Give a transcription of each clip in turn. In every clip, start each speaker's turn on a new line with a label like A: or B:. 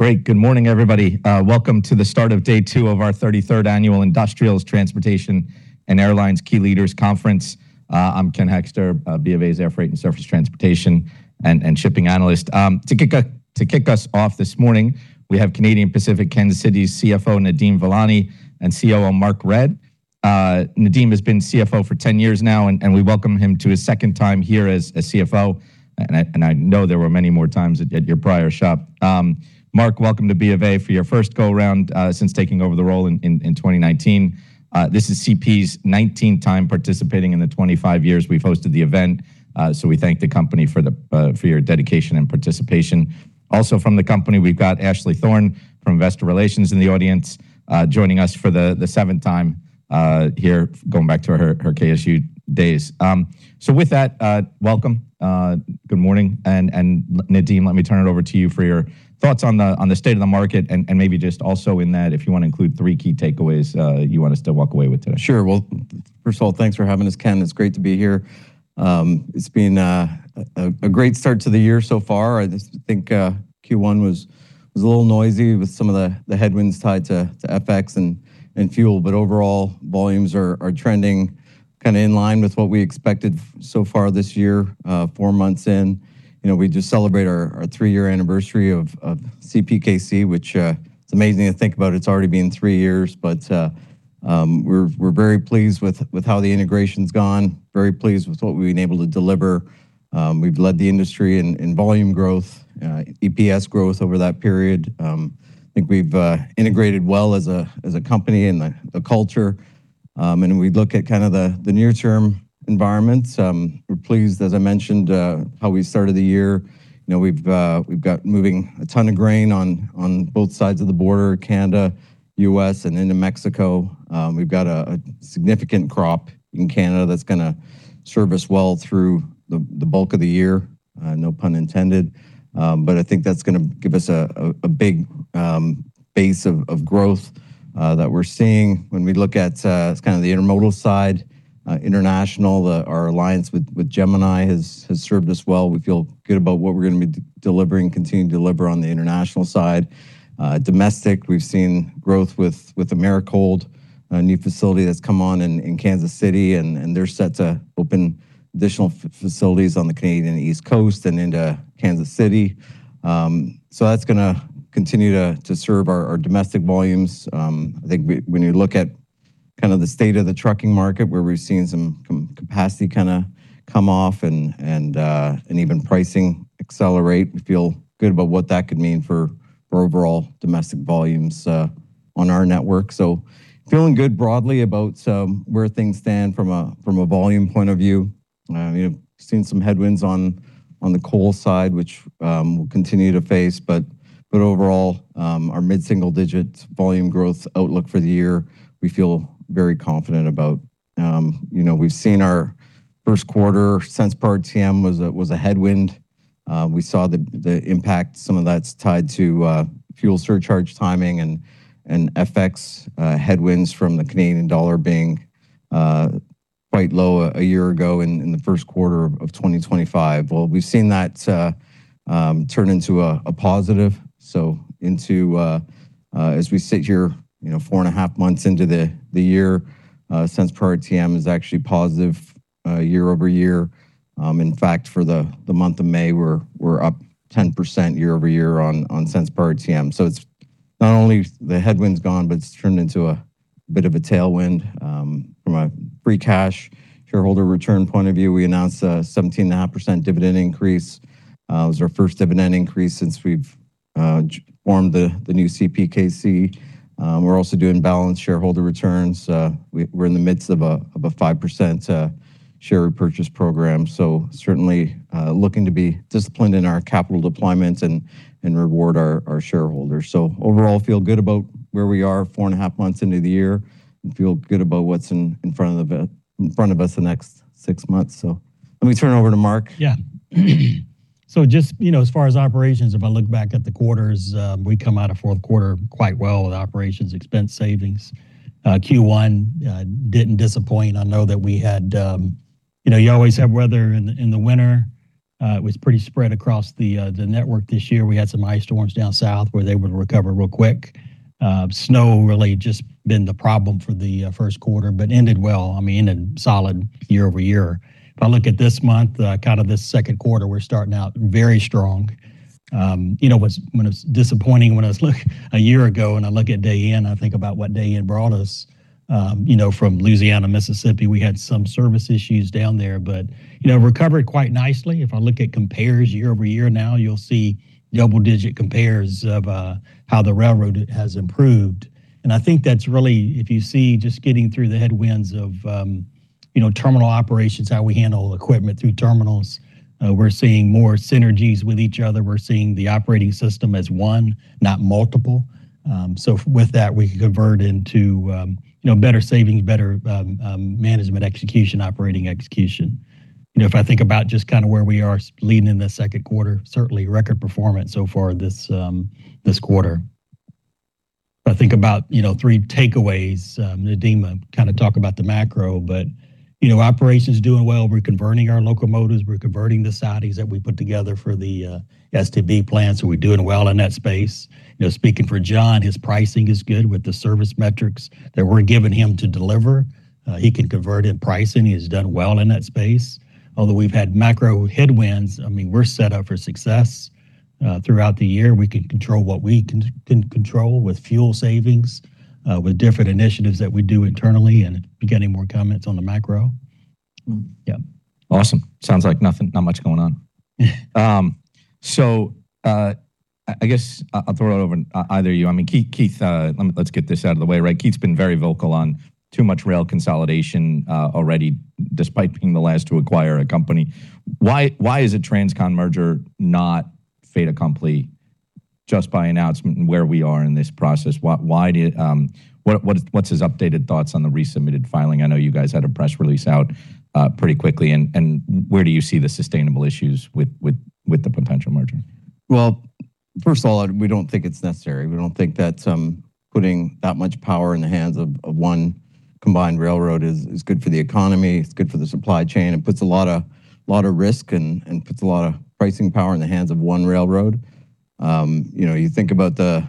A: Great. Good morning, everybody. Welcome to the start of day 2 of our 33rd annual Industrials, Transportation and Airlines Key Leaders Conference. I'm Ken Hoexter, BofA's air freight and surface transportation and shipping analyst. To kick us off this morning, we have Canadian Pacific Kansas City's CFO Nadeem Velani and COO Mark Redd. Nadeem has been CFO for 10 years now, and we welcome him to his second time here as a CFO. I know there were many more times at your prior shop. Mark, welcome to BofA for your first go-round since taking over the role in 2019. This is CP's 19th time participating in the 25 years we've hosted the event, so we thank the company for your dedication and participation. From the company, we've got Ashley Thorne from Investor Relations in the audience, joining us for the seventh time, here going back to her KCS days. With that, welcome, good morning. Nadeem, let me turn it over to you for your thoughts on the state of the market and maybe just also in that if you want to include three key takeaways you want us to walk away with today.
B: Sure. Well, first of all, thanks for having us, Ken. It's great to be here. It's been a great start to the year so far. I just think Q1 was a little noisy with some of the headwinds tied to FX and fuel. Overall, volumes are trending kinda in line with what we expected so far this year, 4 months in. You know, we just celebrated our 3-year anniversary of CPKC, which it's amazing to think about it's already been 3 years. We're very pleased with how the integration's gone, very pleased with what we've been able to deliver. We've led the industry in volume growth, EPS growth over that period. I think we've integrated well as a company and the culture. We look at kind of the near-term environment. We're pleased, as I mentioned, how we started the year. You know, we've got moving a ton of grain on both sides of the border, Canada, U.S. and into Mexico. We've got a significant crop in Canada that's gonna serve us well through the bulk of the year, no pun intended. I think that's gonna give us a big base of growth that we're seeing. When we look at kind of the intermodal side, international, our alliance with Gemini has served us well. We feel good about what we're gonna be delivering, continuing to deliver on the international side. Domestic, we've seen growth with Americold, a new facility that's come on in Kansas City, and they're set to open additional facilities on the Canadian East Coast and into Kansas City. That's gonna continue to serve our domestic volumes. I think when you look at kind of the state of the trucking market, where we've seen some capacity kinda come off and even pricing accelerate, we feel good about what that could mean for overall domestic volumes on our network. Feeling good broadly about where things stand from a volume point of view. You know, we've seen some headwinds on the coal side, which we'll continue to face. Overall, our mid-single digit volume growth outlook for the year, we feel very confident about. You know, we've seen our first quarter cents per RTM was a headwind. We saw the impact. Some of that's tied to fuel surcharge timing and FX headwinds from the Canadian dollar being quite low a year ago in the first quarter of 2025. Well, we've seen that turn into a positive. As we sit here, you know, 4.5 months into the year, cents per RTM is actually positive year-over-year. In fact, for the month of May, we're up 10% year-over-year on cents per RTM. It's not only the headwinds gone, but it's turned into a bit of a tailwind. From a free cash shareholder return point of view, we announced a 17.5% dividend increase. It was our first dividend increase since we've formed the new CPKC. We're also doing balanced shareholder returns. We're in the midst of a 5% share repurchase program. Certainly, looking to be disciplined in our capital deployments and reward our shareholders. Overall, feel good about where we are 4.5 months into the year and feel good about what's in front of us the next 6 months. Let me turn it over to Mark.
C: Yeah. Just, you know, as far as operations, if I look back at the quarters, we come out of fourth quarter quite well with operations expense savings. Q1 didn't disappoint. I know that we had, you know, you always have weather in the, in the winter. It was pretty spread across the network this year. We had some ice storms down south where they would recover real quick. Snow really just been the problem for the first quarter, but ended well. I mean, ended solid year-over-year. If I look at this month, kind of this second quarter, we're starting out very strong. You know, when it's disappointing when I was look a year ago and I look at Day One, I think about what Day One brought us. You know, from Louisiana, Mississippi, we had some service issues down there but, you know, recovered quite nicely. If I look at compares year-over-year now, you'll see double-digit compares of how the railroad has improved. I think that's really, if you see just getting through the headwinds of, you know, terminal operations, how we handle equipment through terminals, we're seeing more synergies with each other. We're seeing the operating system as one, not multiple. With that, we can convert into, you know, better savings, better management execution, operating execution. You know, if I think about just kinda where we are leading in the second quarter, certainly record performance so far this quarter. I think about, you know, three takeaways. Nadeem kind of talk about the macro, but, you know, operations doing well. We're converting our locomotives. We're converting the sides that we put together for the STB plans, so we're doing well in that space. You know, speaking for John, his pricing is good with the service metrics that we're giving him to deliver. He can convert in pricing. He's done well in that space. Although we've had macro headwinds, we're set up for success. Throughout the year, we can control what we can control with fuel savings, with different initiatives that we do internally and getting more comments on the macro. Yeah.
A: Awesome. Sounds like nothing, not much going on. I guess I'll throw it over, either of you. I mean, Keith, let me let's get this out of the way, right? Keith's been very vocal on too much rail consolidation, already, despite being the last to acquire a company. Why, why is a TransCon merger not fait accompli just by announcement and where we are in this process? Why, why did what's his updated thoughts on the resubmitted filing? I know you guys had a press release out, pretty quickly. Where do you see the sustainable issues with the potential merger?
B: Well, first of all, we don't think it's necessary. We don't think that putting that much power in the hands of one combined railroad is good for the economy, it's good for the supply chain. It puts a lot of risk and puts a lot of pricing power in the hands of one railroad. You know, you think about the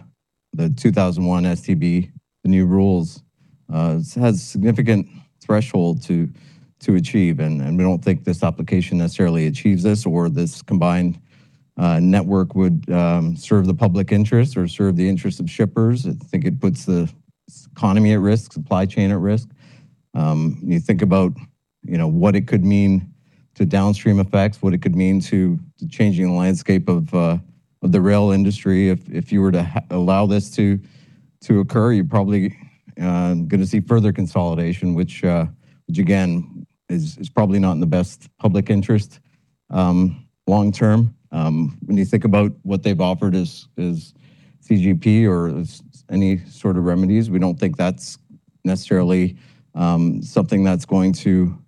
B: 2001 STB, the new rules, it has significant threshold to achieve. We don't think this application necessarily achieves this or this combined network would serve the public interest or serve the interest of shippers. I think it puts the economy at risk, supply chain at risk. You think about, you know, what it could mean to downstream effects, what it could mean to changing the landscape of the rail industry. If you were to allow this to occur, you're probably gonna see further consolidation, which again is probably not in the best public interest long term. When you think about what they've offered as CGP or as any sort of remedies, we don't think that's necessarily something that's going to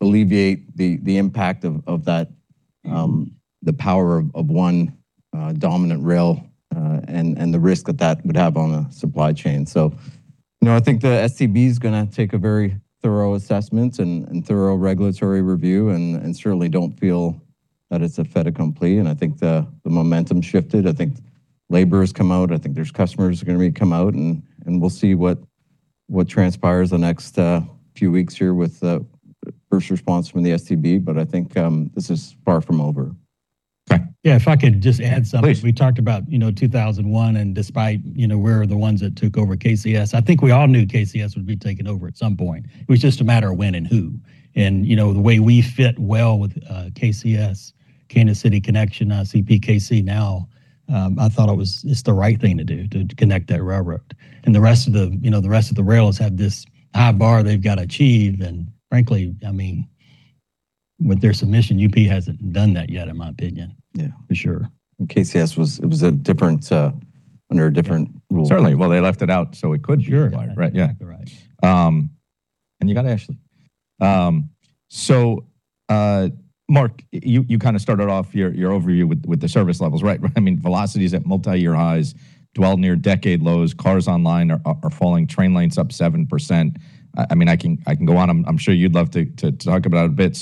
B: alleviate the impact of that, the power of one dominant rail and the risk that that would have on a supply chain. You know, I think the STB is gonna take a very thorough assessment and thorough regulatory review and certainly don't feel that it's a fait accompli, and I think the momentum shifted. I think labor has come out. I think there's customers are gonna come out and we'll see what transpires the next few weeks here with the first response from the STB. I think this is far from over.
A: Okay.
C: Yeah, if I could just add something.
A: Please.
C: We talked about, you know, 2001 and despite, you know, we're the ones that took over KCS. I think we all knew KCS would be taken over at some point. It was just a matter of when and who. You know, the way we fit well with KCS, Kansas City Connection, CPKC now, I thought it's the right thing to do to connect that railroad. The rest of the, you know, the rest of the railroads have this high bar they've got to achieve. Frankly, I mean, with their submission, UP hasn't done that yet, in my opinion.
B: Yeah. For sure. KCS was, it was a different under a different rule.
A: Certainly. Well, they left it out so we could be acquired.
B: Sure.
A: Right. Yeah.
C: Right.
A: You got Ashley. Mark, you kind of started off your overview with the service levels, right? I mean, velocity is at multi-year highs, dwell near decade lows, cars online are falling, train lanes up 7%. I mean, I can go on. I'm sure you'd love to talk about it a bit.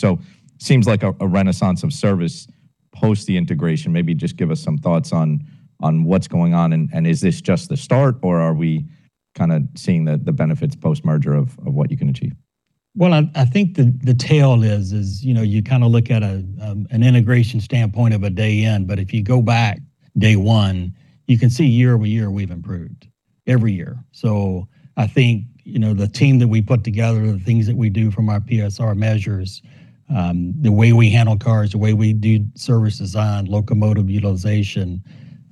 A: Seems like a renaissance of service post the integration. Maybe just give us some thoughts on what's going on and is this just the start or are we kind of seeing the benefits post-merger of what you can achieve?
C: I think the tail is, you know, you kind of look at an integration standpoint of a day in, but if you go back Day One, you can see year-over-year we've improved every year. I think, you know, the team that we put together, the things that we do from our PSR measures, the way we handle cars, the way we do service design, locomotive utilization,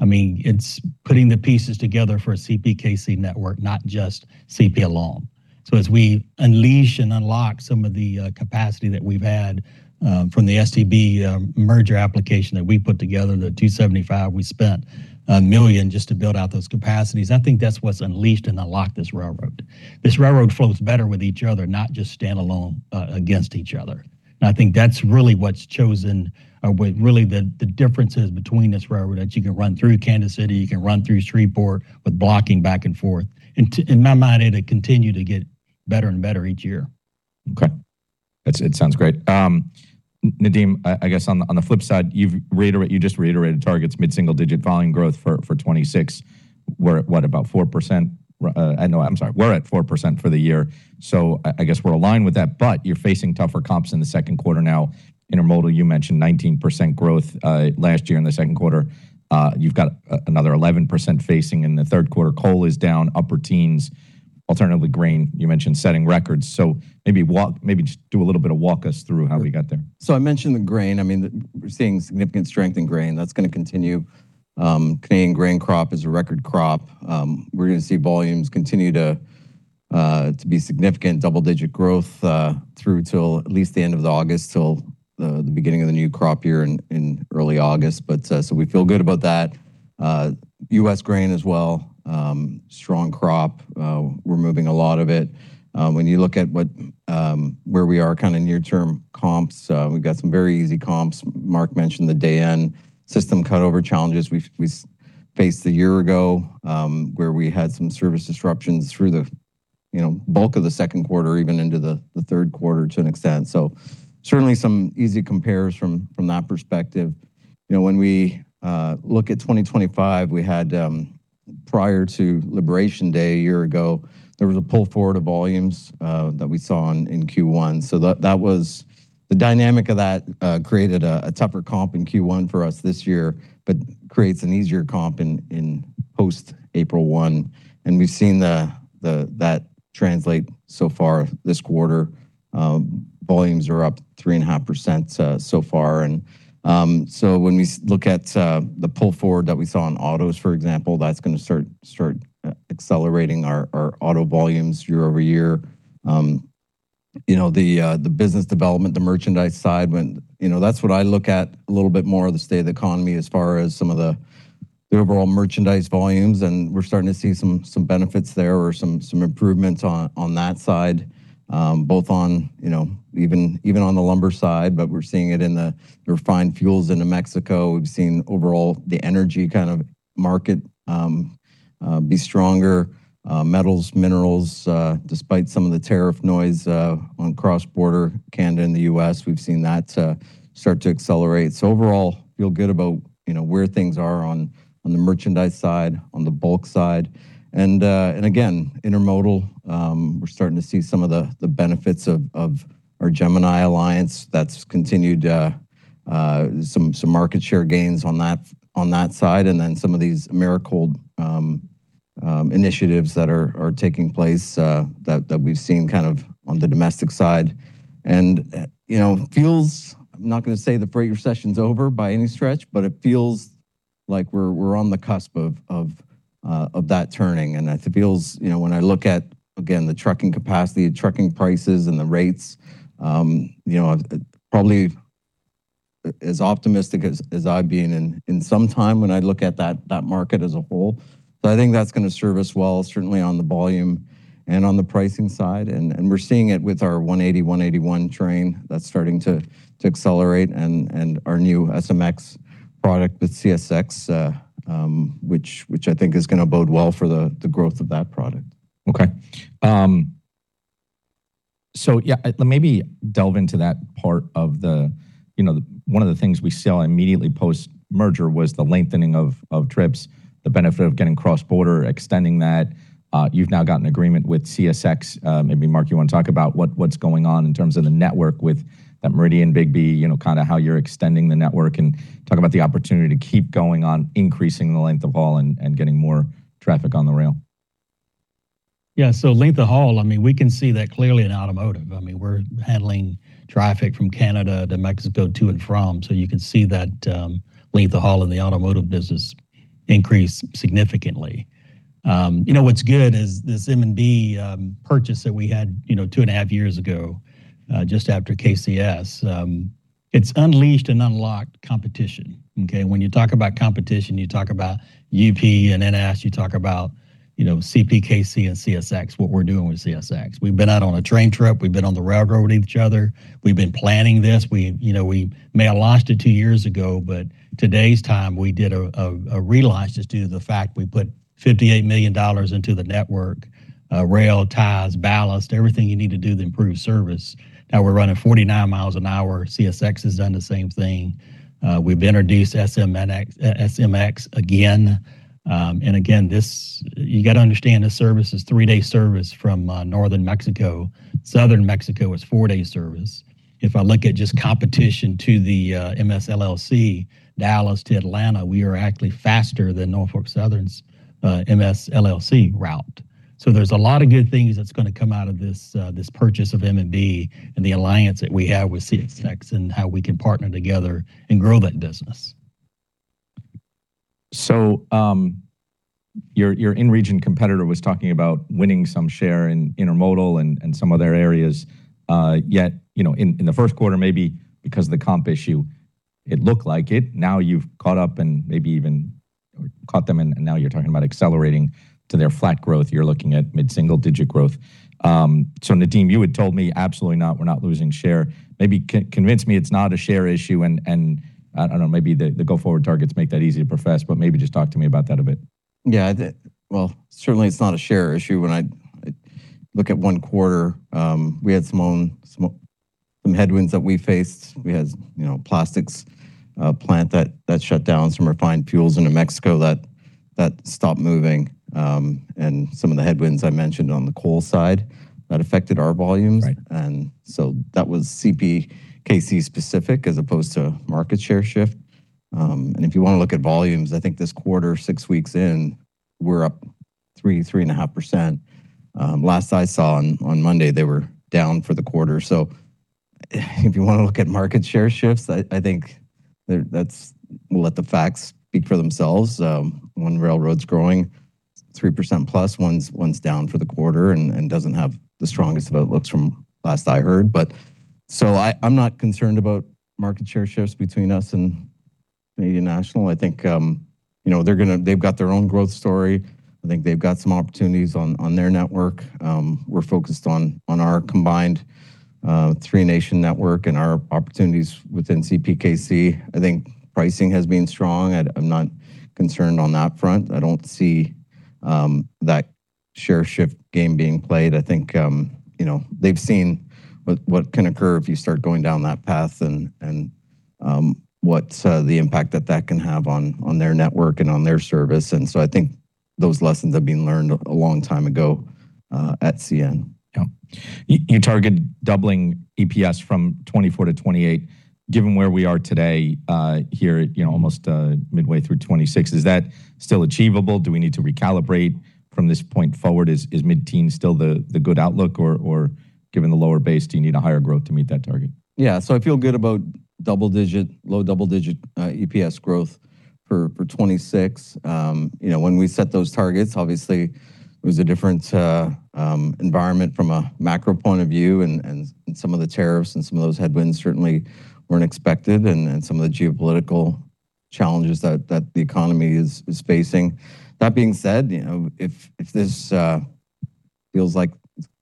C: I mean, it's putting the pieces together for a CPKC network, not just CP alone. As we unleash and unlock some of the capacity that we've had, from the STB merger application that we put together, the 275, we spent 1 million just to build out those capacities. I think that's what's unleashed and unlocked this railroad. This railroad flows better with each other, not just standalone, against each other. I think that's really what's chosen, what really the difference is between this railroad, that you can run through Kansas City, you can run through Shreveport with blocking back and forth. In my mind it'll continue to get better and better each year.
A: Okay. That sounds great. Nadeem, I guess on the flip side, you just reiterated targets mid-single digit volume growth for 2026. We're at what? About 4%. No, I'm sorry. We're at 4% for the year. I guess we're aligned with that. You're facing tougher comps in the second quarter now. Intermodal, you mentioned 19% growth last year in the second quarter. You've got another 11% facing in the third quarter. Coal is down upper teens. Alternatively, grain, you mentioned setting records. Maybe just do a little bit of walk us through how we got there.
B: I mentioned the grain. I mean, we're seeing significant strength in grain. That's going to continue. Canadian grain crop is a record crop. We're going to see volumes continue to be significant double-digit growth through till at least the end of August till the beginning of the new crop year in early August. We feel good about that. U.S. grain as well, strong crop. We're moving a lot of it. When you look at what, where we are kind of near-term comps, we've got some very easy comps. Mark mentioned the Day One system cutover challenges we faced a year ago, where we had some service disruptions through the, you know, bulk of the second quarter, even into the third quarter to an extent. Certainly some easy compares from that perspective. You know, when we look at 2025, we had prior to Liberation Day a year ago, there was a pull forward of volumes that we saw in Q1. That was the dynamic of that created a tougher comp in Q1 for us this year, but creates an easier comp in post April 1. We've seen that translate so far this quarter. Volumes are up 3.5% so far. When we look at the pull forward that we saw in autos, for example, that's gonna start accelerating our auto volumes year-over-year. You know, the business development, the merchandise side when You know, that's what I look at a little bit more of the state of the economy as far as some of the overall merchandise volumes. We're starting to see some benefits there or some improvements on that side. Both on, you know, even on the lumber side, we're seeing it in the refined fuels into Mexico. We've seen overall the energy kind of market be stronger. Metals, minerals, despite some of the tariff noise on cross-border Canada and the US, we've seen that start to accelerate. Overall, feel good about, you know, where things are on the merchandise side, on the bulk side. Again, intermodal, we're starting to see some of the benefits of our Gemini alliance that's continued some market share gains on that, on that side. Some of these Americold initiatives that are taking place that we've seen kind of on the domestic side. You know, I'm not gonna say the freighter session's over by any stretch, but it feels like we're on the cusp of that turning. It feels, you know, when I look at again, the trucking capacity, trucking prices and the rates, you know, probably as optimistic as I've been in some time when I look at that market as a whole. I think that's gonna serve us well, certainly on the volume and on the pricing side. We're seeing it with our 181 train that's starting to accelerate and our new SMX product with CSX, which I think is going to bode well for the growth of that product.
A: Okay. Yeah, let maybe delve into that part of the, you know, one of the things we saw immediately post merger was the lengthening of trips, the benefit of getting cross-border, extending that. You've now got an agreement with CSX. Maybe Mark you wanna talk about what's going on in terms of the network with that Meridian & Bigbee, you know, kinda how you're extending the network and talk about the opportunity to keep going on increasing the length of haul and getting more traffic on the rail.
C: Length of haul, I mean, we can see that clearly in automotive. I mean, we're handling traffic from Canada to Mexico to and from. You can see that length of haul in the automotive business increase significantly. You know, what's good is this M&B purchase that we had, you know, 2 and a half years ago, just after KCS, it's unleashed and unlocked competition, okay. When you talk about competition, you talk about UP and NS, you talk about, you know, CPKC and CSX, what we're doing with CSX. We've been out on a train trip, we've been on the railroad with each other. We've been planning this. We, you know, we may have launched it two years ago, today's time we did a relaunch just due to the fact we put 58 million dollars into the network, rail ties, ballast, everything you need to do to improve service. Now we're running 49 miles an hour. CSX has done the same thing. We've introduced SMX again, you gotta understand this service is three-day service from northern Mexico. Southern Mexico is four-day service. If I look at just competition to the MS LLC, Dallas to Atlanta, we are actually faster than Norfolk Southern's MS LLC route. There's a lot of good things that's gonna come out of this purchase of M&B and the alliance that we have with CSX and how we can partner together and grow that business.
A: Your in-region competitor was talking about winning some share in intermodal and some other areas. Yet, you know, in the first quarter, maybe because of the comp issue, it looked like it. Now you've caught up and maybe even caught them and now you're talking about accelerating to their flat growth. You're looking at mid-single digit growth. Nadeem, you had told me, "Absolutely not. We're not losing share." Maybe convince me it's not a share issue and I don't know, maybe the go forward targets make that easy to profess, but maybe just talk to me about that a bit?
B: Yeah, well, certainly it's not a share issue when I look at one quarter. We had some own, some headwinds that we faced. We had, you know, plastics plant that shut down, some refined fuels into Mexico that stopped moving. Some of the headwinds I mentioned on the coal side that affected our volumes.
A: Right.
B: That was CPKC specific as opposed to market share shift. If you wanna look at volumes, I think this quarter, 6 weeks in, we're up 3.5%. Last I saw on Monday, they were down for the quarter. If you wanna look at market share shifts, I think we'll let the facts speak for themselves. 1 railroad's growing 3% plus, one's down for the quarter and doesn't have the strongest of outlooks from last I heard. I'm not concerned about market share shifts between us and Canadian National, I think, you know, they've got their own growth story. I think they've got some opportunities on their network. We're focused on our combined, 3-nation network and our opportunities within CPKC. I think pricing has been strong. I'm not concerned on that front. I don't see that share shift game being played. I think, you know, they've seen what can occur if you start going down that path and what's the impact that that can have on their network and on their service. I think those lessons have been learned a long time ago at CN.
A: Yeah. You targeted doubling EPS from 2024-2028. Given where we are today, here at, you know, almost midway through 2026, is that still achievable? Do we need to recalibrate from this point forward? Is mid-teen still the good outlook? Or given the lower base, do you need a higher growth to meet that target?
B: I feel good about low double digit EPS growth for 2026. You know, when we set those targets, obviously it was a different environment from a macro point of view, and some of the tariffs and some of those headwinds certainly weren't expected and some of the geopolitical challenges that the economy is facing. That being said, you know, if this feels like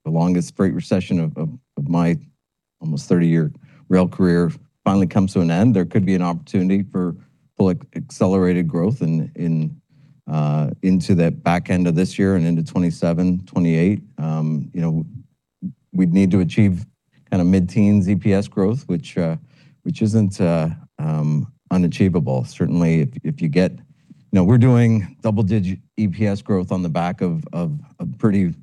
B: the longest freight recession of my almost 30-year rail career finally comes to an end, there could be an opportunity for full accelerated growth in into the back end of this year and into 2027, 2028. You know, we'd need to achieve kind of mid-teens EPS growth, which isn't unachievable. Certainly if you get You know, we're doing double digit EPS growth on the back of a pretty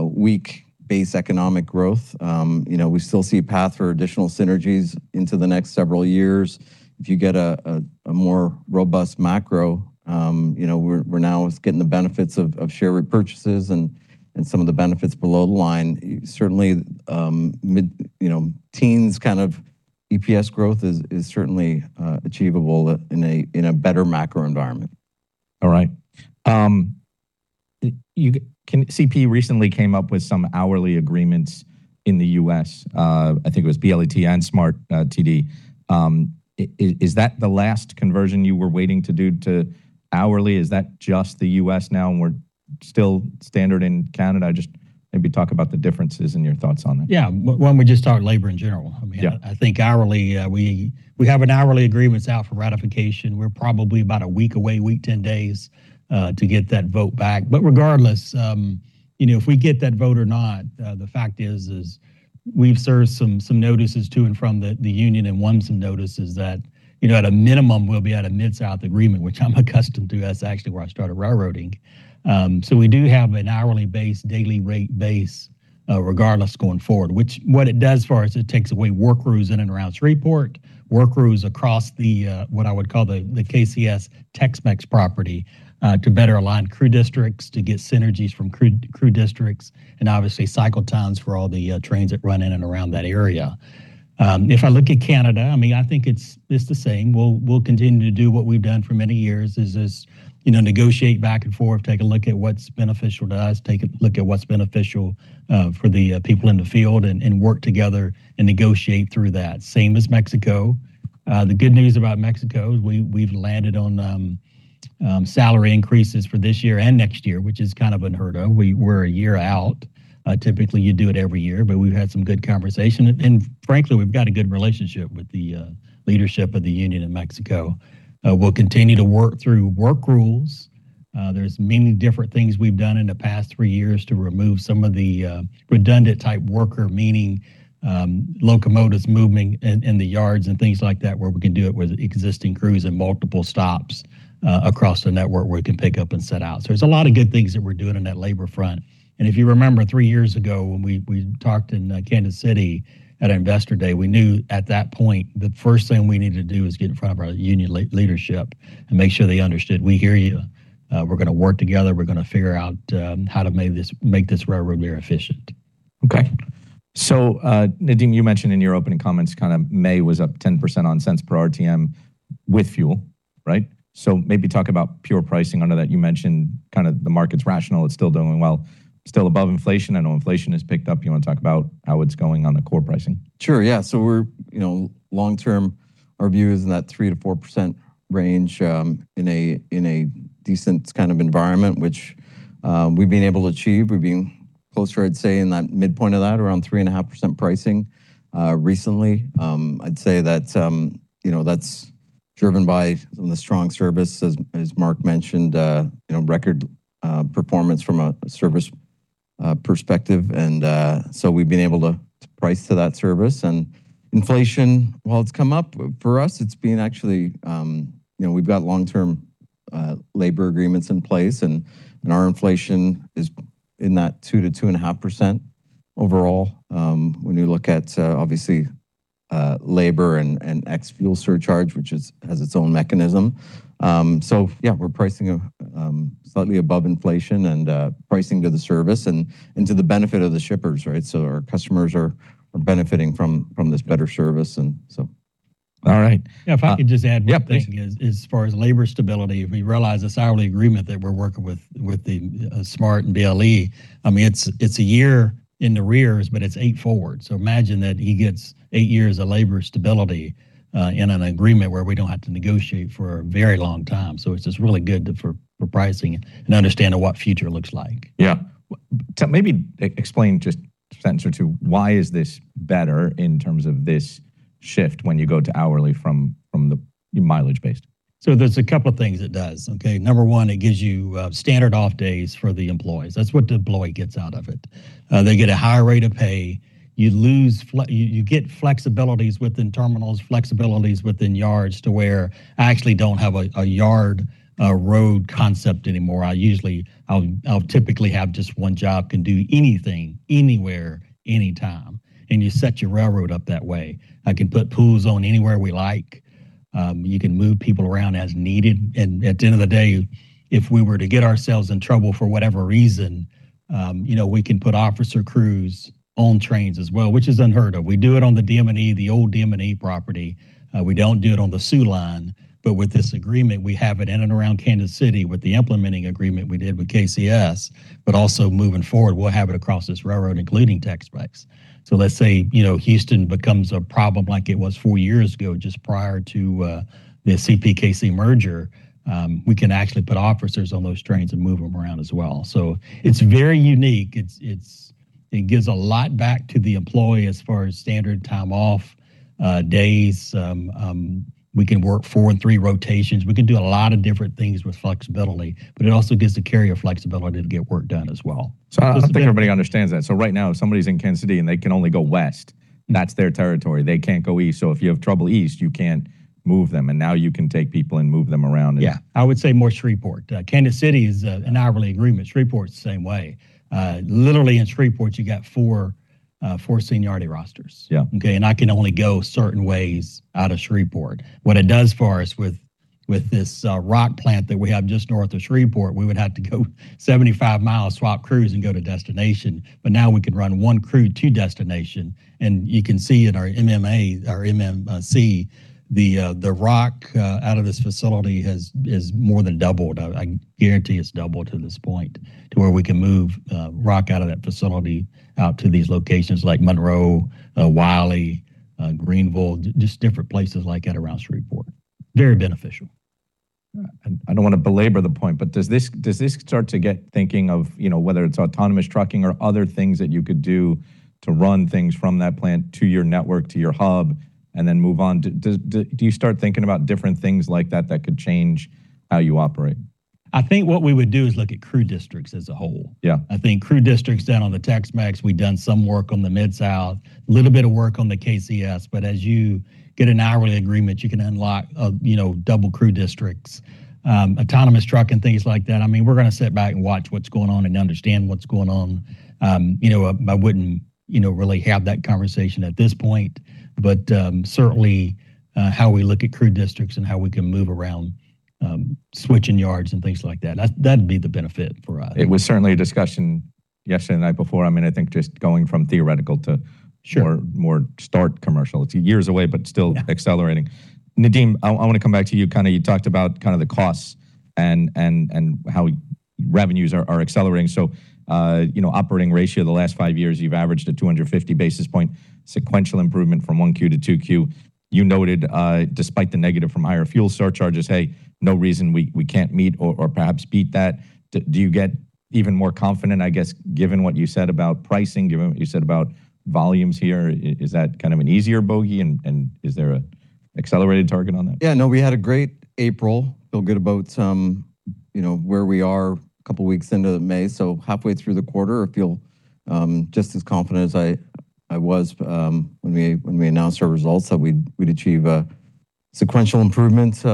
B: weak base economic growth. You know, we still see a path for additional synergies into the next several years. If you get a more robust macro, you know, we're now getting the benefits of share repurchases and some of the benefits below the line. Certainly, mid, you know, teens kind of EPS growth is certainly achievable in a better macro environment.
A: All right. CP recently came up with some hourly agreements in the U.S., I think it was BLET and SMART TD. Is that the last conversion you were waiting to do to hourly? Is that just the U.S. now and we're still standard in Canada? Just maybe talk about the differences and your thoughts on that.
C: Yeah. Why don't we just talk labor in general? I mean.
A: Yeah
C: I think hourly, we have an hourly agreements out for ratification. We're probably about a week away, week, 10 days, to get that vote back. Regardless, you know, if we get that vote or not, the fact is we've served some notices to and from the union, and one some notices that, you know, at a minimum we'll be at a mid-south agreement, which I'm accustomed to. That's actually where I started railroading. We do have an hourly base, daily rate base, regardless going forward. Which what it does for us, it takes away work crews in and around Shreveport, work crews across the what I would call the KCS Tex-Mex property, to better align crew districts, to get synergies from crew districts, and obviously cycle times for all the trains that run in and around that area. If I look at Canada, I mean, I think it's the same. We'll continue to do what we've done for many years is, you know, negotiate back and forth, take a look at what's beneficial to us, take a look at what's beneficial for the people in the field and work together and negotiate through that. Same as Mexico. The good news about Mexico is we've landed on salary increases for this year and next year, which is kind of unheard of. We were a year out. Typically you do it every year, but we've had some good conversation and frankly, we've got a good relationship with the leadership of the union in Mexico. We'll continue to work through work rules. There's many different things we've done in the past three years to remove some of the redundant type worker, meaning locomotives moving in the yards and things like that, where we can do it with existing crews and multiple stops across the network where we can pick up and set out. There's a lot of good things that we're doing on that labor front. If you remember 3 years ago when we talked in Kansas City at our Investor Day, we knew at that point the first thing we needed to do was get in front of our union leadership and make sure they understood, "We hear you. We're gonna work together. We're gonna figure out how to make this railroad more efficient.
A: Okay. Nadeem, you mentioned in your opening comments kind of May was up 10% on cents per RTM with fuel, right? Maybe talk about pure pricing under that. You mentioned kind of the market's rational, it's still doing well, still above inflation. I know inflation has picked up. You wanna talk about how it's going on the core pricing?
B: Sure, yeah. We're, you know, long term our view is in that 3%-4% range, in a decent kind of environment, which we've been able to achieve. We've been closer, I'd say, in that midpoint of that, around 3.5% pricing recently. I'd say that's, you know, that's driven by the strong service, as Mark mentioned, you know, record performance from a service perspective. We've been able to price to that service. Inflation, while it's come up, for us it's been actually, you know, we've got long-term labor agreements in place and our inflation is in that 2%-2.5% overall, when you look at obviously labor and ex-fuel surcharge, which has its own mechanism. Yeah, we're pricing slightly above inflation and pricing to the service and to the benefit of the shippers, right? Our customers are benefiting from this better service.
A: All right.
C: If I could just add one thing.
A: Yeah, please.
C: is as far as labor stability, if we realize this hourly agreement that we're working with the SMART and BLE, I mean, it's 1 year in the rear, but it's 8 forward. Imagine that he gets 8 years of labor stability in an agreement where we don't have to negotiate for a very long time. It's just really good for pricing and understanding what future looks like.
A: Yeah. Maybe explain just a sentence or 2, why is this better in terms of this shift when you go to hourly from the mileage-based?
C: There's a couple of things it does, okay. Number 1, it gives you standard off days for the employees. That's what the employee gets out of it. They get a higher rate of pay. You get flexibilities within terminals, flexibilities within yards to where I actually don't have a yard, a road concept anymore. I'll typically have just one job, can do anything, anywhere, anytime. You set your railroad up that way. I can put pools on anywhere we like. You can move people around as needed. At the end of the day, if we were to get ourselves in trouble for whatever reason, you know, we can put officer crews on trains as well, which is unheard of. We do it on the DME, the old DME property. We don't do it on the Soo Line, with this agreement, we have it in and around Kansas City with the implementing agreement we did with KCS, also moving forward, we'll have it across this railroad, including Tex-Mex. Let's say, you know, Houston becomes a problem like it was four years ago, just prior to the CPKC merger, we can actually put officers on those trains and move them around as well. It's very unique. It gives a lot back to the employee as far as standard time off days. We can work four and three rotations. We can do a lot of different things with flexibility, it also gives the carrier flexibility to get work done as well.
A: I hope everybody understands that. Right now, if somebody's in Kansas City and they can only go west, that's their territory. They can't go east. If you have trouble east, you can't move them, and now you can take people and move them around.
C: Yeah. I would say more Shreveport. Kansas City is an hourly agreement. Shreveport's the same way. Literally in Shreveport, you got four seniority rosters.
A: Yeah.
C: Okay. I can only go certain ways out of Shreveport. What it does for us with this rock plant that we have just north of Shreveport, we would have to go 75 miles, swap crews, and go to destination. Now we can run 1 crew to destination. You can see in our MMA, our MMC, the rock out of this facility is more than doubled. I guarantee it's doubled to this point, to where we can move rock out of that facility out to these locations like Monroe, Wylie, Greenville, just different places like that around Shreveport. Very beneficial.
A: I don't want to belabor the point, does this start to get thinking of, you know, whether it's autonomous trucking or other things that you could do to run things from that plant to your network, to your hub, and then move on? Do you start thinking about different things like that could change how you operate?
C: I think what we would do is look at crew districts as a whole.
A: Yeah.
C: I think crew districts down on the Tex-Mex, we've done some work on the Mid-South, little bit of work on the KCS, but as you get an hourly agreement, you can unlock, you know, double crew districts. Autonomous trucking, things like that, I mean, we're gonna sit back and watch what's going on and understand what's going on. You know, I wouldn't, you know, really have that conversation at this point. Certainly, how we look at crew districts and how we can move around, switching yards and things like that'd be the benefit for us.
A: It was certainly a discussion yesterday night before. I mean, I think just going from theoretical to.
C: Sure
A: More start commercial. It's years away, but still accelerating. Nadeem, I wanna come back to you. You talked about the costs and how revenues are accelerating. You know, operating ratio the last 5 years, you've averaged a 250 basis point sequential improvement from 1Q-2Q. You noted, despite the negative from higher fuel surcharges, hey, no reason we can't meet or perhaps beat that. Do you get even more confident, I guess, given what you said about pricing, given what you said about volumes here, is that kind of an easier bogey and is there an accelerated target on that?
B: No, we had a great April. Feel good about some, you know, where we are a couple of weeks into May. Halfway through the quarter, I feel just as confident as I was when we announced our results that we'd achieve a sequential improvement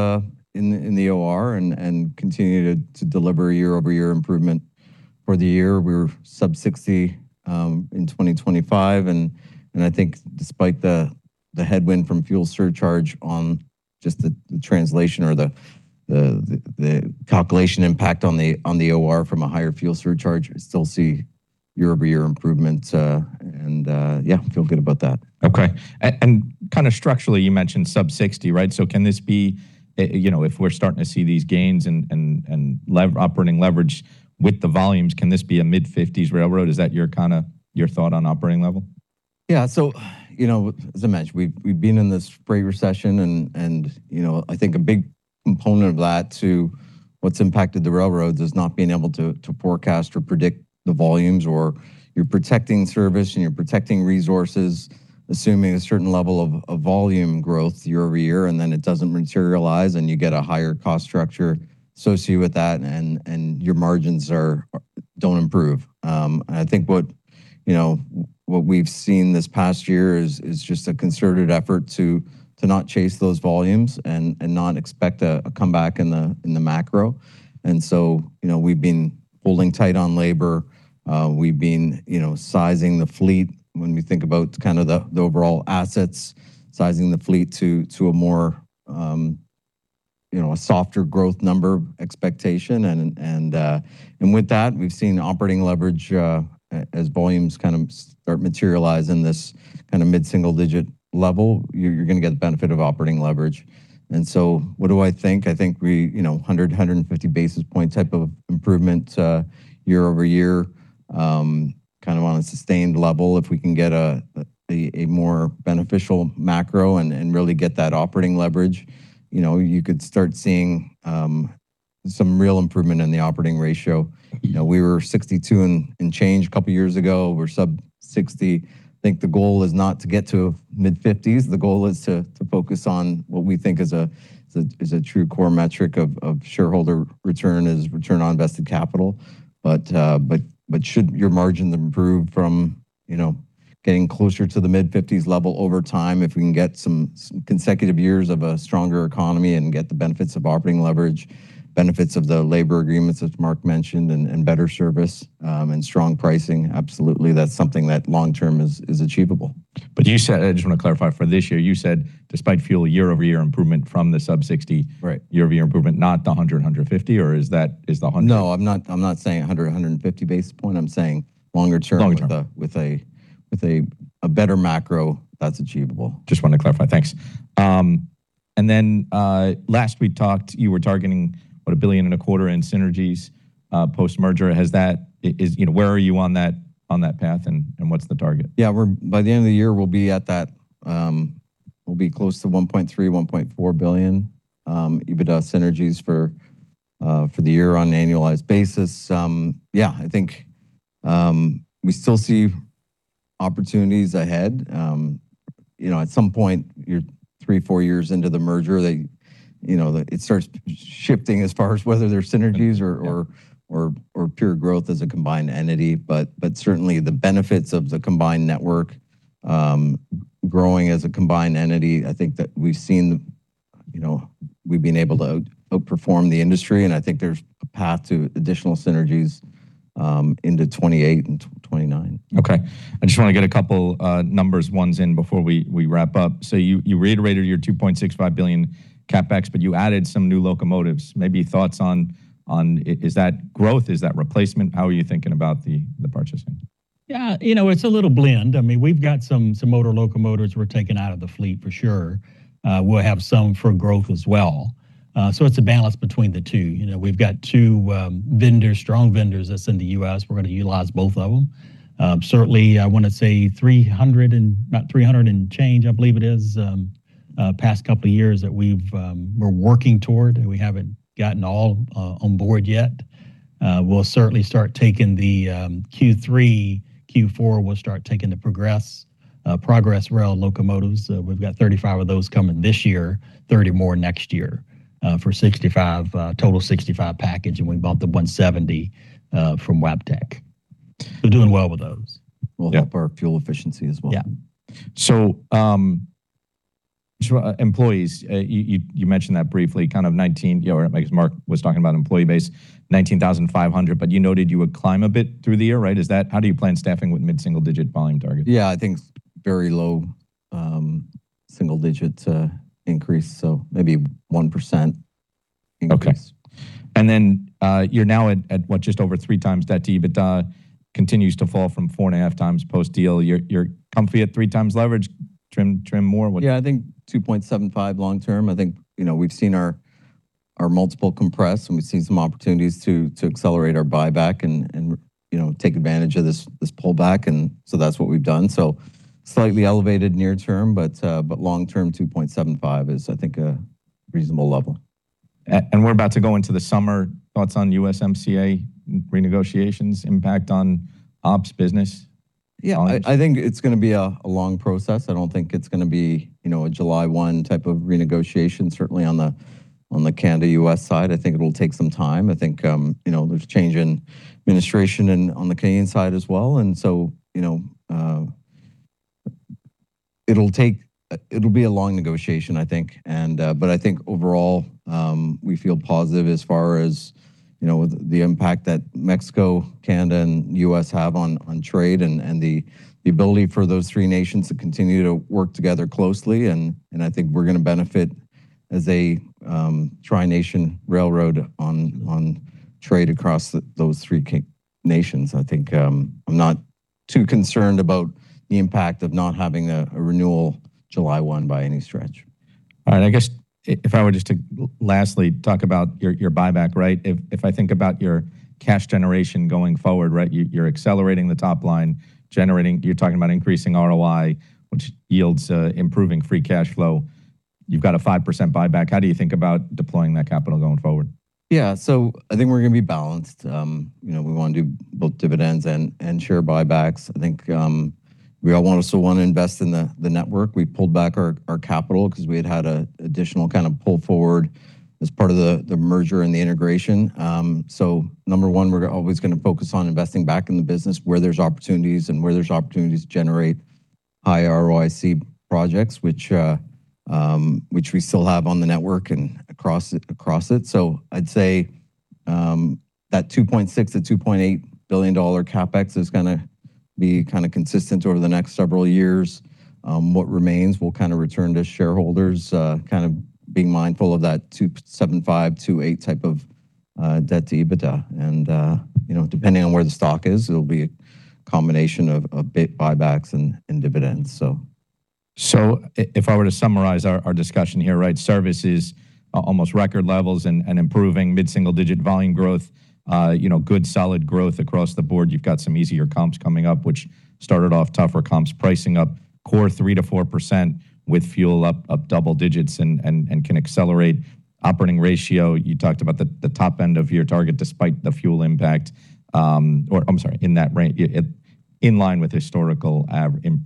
B: in the OR and continue to deliver year-over-year improvement for the year. We're sub-60 in 2025. I think despite the headwind from fuel surcharge on just the translation or the calculation impact on the OR from a higher fuel surcharge, I still see year-over-year improvement. I feel good about that.
A: Okay. Kind of structurally, you mentioned sub-60, right? Can this be, you know, if we're starting to see these gains and operating leverage with the volumes, can this be a mid-50s railroad? Is that your kind of your thought on operating level?
B: Yeah. You know, as I mentioned, we've been in this freight recession and, you know, I think a big component of that to what's impacted the railroads is not being able to forecast or predict the volumes, or you're protecting service and you're protecting resources, assuming a certain level of volume growth year-over-year, and then it doesn't materialize, and you get a higher cost structure associated with that, and your margins don't improve. I think what, you know, what we've seen this past year is just a concerted effort to not chase those volumes and not expect a comeback in the macro. You know, we've been holding tight on labor. We've been, you know, sizing the fleet when we think about kind of the overall assets, sizing the fleet to a more, you know, a softer growth number expectation. With that, we've seen operating leverage as volumes kind of start materialize in this kind of mid-single digit level. You're gonna get the benefit of operating leverage. What do I think? I think we, you know, 100, 150 basis point type of improvement year-over-year, kind of on a sustained level. If we can get a more beneficial macro and really get that operating leverage, you know, you could start seeing some real improvement in the operating ratio. You know, we were 62 and change a couple of years ago. We're sub 60. I think the goal is not to get to mid-50s. The goal is to focus on what we think is a true core metric of shareholder return is Return on Invested Capital. Should your margin improve from, you know, getting closer to the mid-50s level over time, if we can get some consecutive years of a stronger economy and get the benefits of operating leverage, benefits of the labor agreements, as Mark mentioned, and better service, and strong pricing, absolutely. That's something that long term is achievable.
A: you said, I just want to clarify for this year, you said despite fuel year-over-year improvement from the sub 60-
B: Right
A: -year-over-year improvement, not the 150, or is the?
B: No, I'm not, I'm not saying 150 basis points. I'm saying longer term.
A: Longer term.
B: With a better macro, that's achievable.
A: Just wanted to clarify. Thanks. Last we talked, you were targeting, what, a billion and a quarter in synergies post-merger. You know, where are you on that path, and what's the target?
B: Yeah, by the end of the year, we'll be at that, we'll be close to 1.3 billion-1.4 billion EBITDA synergies for the year on an annualized basis. Yeah, I think, we still see opportunities ahead. You know, at some point, you're 3, 4 years into the merger, you know, it starts shifting as far as whether they're synergies.
A: Yeah.
B: or pure growth as a combined entity. Certainly the benefits of the combined network, growing as a combined entity, I think that we've seen, you know, we've been able to outperform the industry, and I think there's a path to additional synergies, into 2028 and 2029.
A: Okay. I just wanna get a couple numbers, ones in before we wrap up. You reiterated your 2.65 billion CapEx, but you added some new locomotives. Maybe thoughts on, is that growth? Is that replacement? How are you thinking about the purchasing?
C: Yeah, you know, it's a little blend. I mean, we've got some older locomotives we're taking out of the fleet for sure. We'll have some for growth as well. It's a balance between the 2. You know, we've got 2 vendors, strong vendors that's in the U.S. We're gonna utilize both of them. Certainly I wanna say 300 and, about 300 and change, I believe it is, past couple of years that we've, we're working toward, and we haven't gotten all on board yet. We'll certainly start taking the Q3, Q4, we'll start taking the Progress Rail locomotives. We've got 35 of those coming this year, 30 more next year, for 65, total 65 package, and we bought the 170 from Wabtec.
A: Doing well with those?
B: Will help our fuel efficiency as well.
C: Yeah.
A: Employees, you mentioned that briefly, kind of 19, you know, or I guess Mark was talking about employee base, 19,500, but you noted you would climb a bit through the year, right? Is that, how do you plan staffing with mid-single digit volume targets?
B: Yeah, I think very low, single-digit increase, so maybe 1% increase.
A: Okay. You're now at what, just over 3x debt to EBITDA, continues to fall from 4.5x post-deal. You're comfy at 3x leverage? Trim more?
B: Yeah, I think 2.75 long term. I think, you know, we've seen our multiple compress, and we've seen some opportunities to accelerate our buyback and, you know, take advantage of this pullback. That's what we've done. Slightly elevated near term, but long term, 2.75 is, I think, a reasonable level.
A: We're about to go into the summer. Thoughts on USMCA renegotiations impact on ops business?
B: Yeah, I think it's going to be a long process. I don't think it's going to be, you know, a July 1 type of renegotiation, certainly on the Canada-U.S. side. I think it will take some time. I think, you know, there's change in administration and on the Canadian side as well. You know, it will be a long negotiation, I think. I think overall, we feel positive as far as, you know, the impact that Mexico, Canada, and U.S. have on trade and the ability for those three nations to continue to work together closely. I think we're going to benefit as a tri-nation railroad on trade across those three nations. I think I'm not too concerned about the impact of not having a renewal July 1 by any stretch.
A: All right. I guess if I were just to lastly talk about your buyback, right. If I think about your cash generation going forward, right, you're accelerating the top line. You're talking about increasing ROI, which yields improving free cash flow. You've got a 5% buyback. How do you think about deploying that capital going forward?
B: Yeah. I think we're going to be balanced. You know, we want to do both dividends and share buybacks. I think we all want to still want to invest in the network. We pulled back our capital because we had had an additional kind of pull forward as part of the merger and the integration. Number one, we're always going to focus on investing back in the business where there's opportunities and where there's opportunities to generate high ROIC projects, which we still have on the network and across it. I'd say that 2.6 billion-2.8 billion dollar CapEx is going to be kind of consistent over the next several years. What remains will kind of return to shareholders, kind of being mindful of that 2.75, 2.8 type of debt to EBITDA. You know, depending on where the stock is, it'll be a combination of share buybacks and dividends.
A: If I were to summarize our discussion here, right? Services are almost record levels and improving mid-single digit volume growth. You know, good solid growth across the board. You've got some easier comps coming up, which started off tougher comps pricing up core 3%-4% with fuel up double digits and can accelerate operating ratio. You talked about the top end of your target despite the fuel impact, or I'm sorry, in that range, in line with historical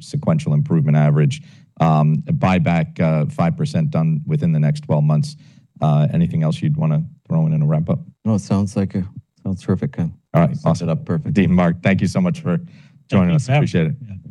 A: sequential improvement average. Buyback, 5% done within the next 12 months. Anything else you'd wanna throw in in a wrap-up?
B: No, Sounds terrific, Ken.
A: All right. Awesome.
B: You summed it up perfect.
A: Nadeem, Mark, thank you so much for joining us.
B: Thank you for having me.
A: Appreciate it.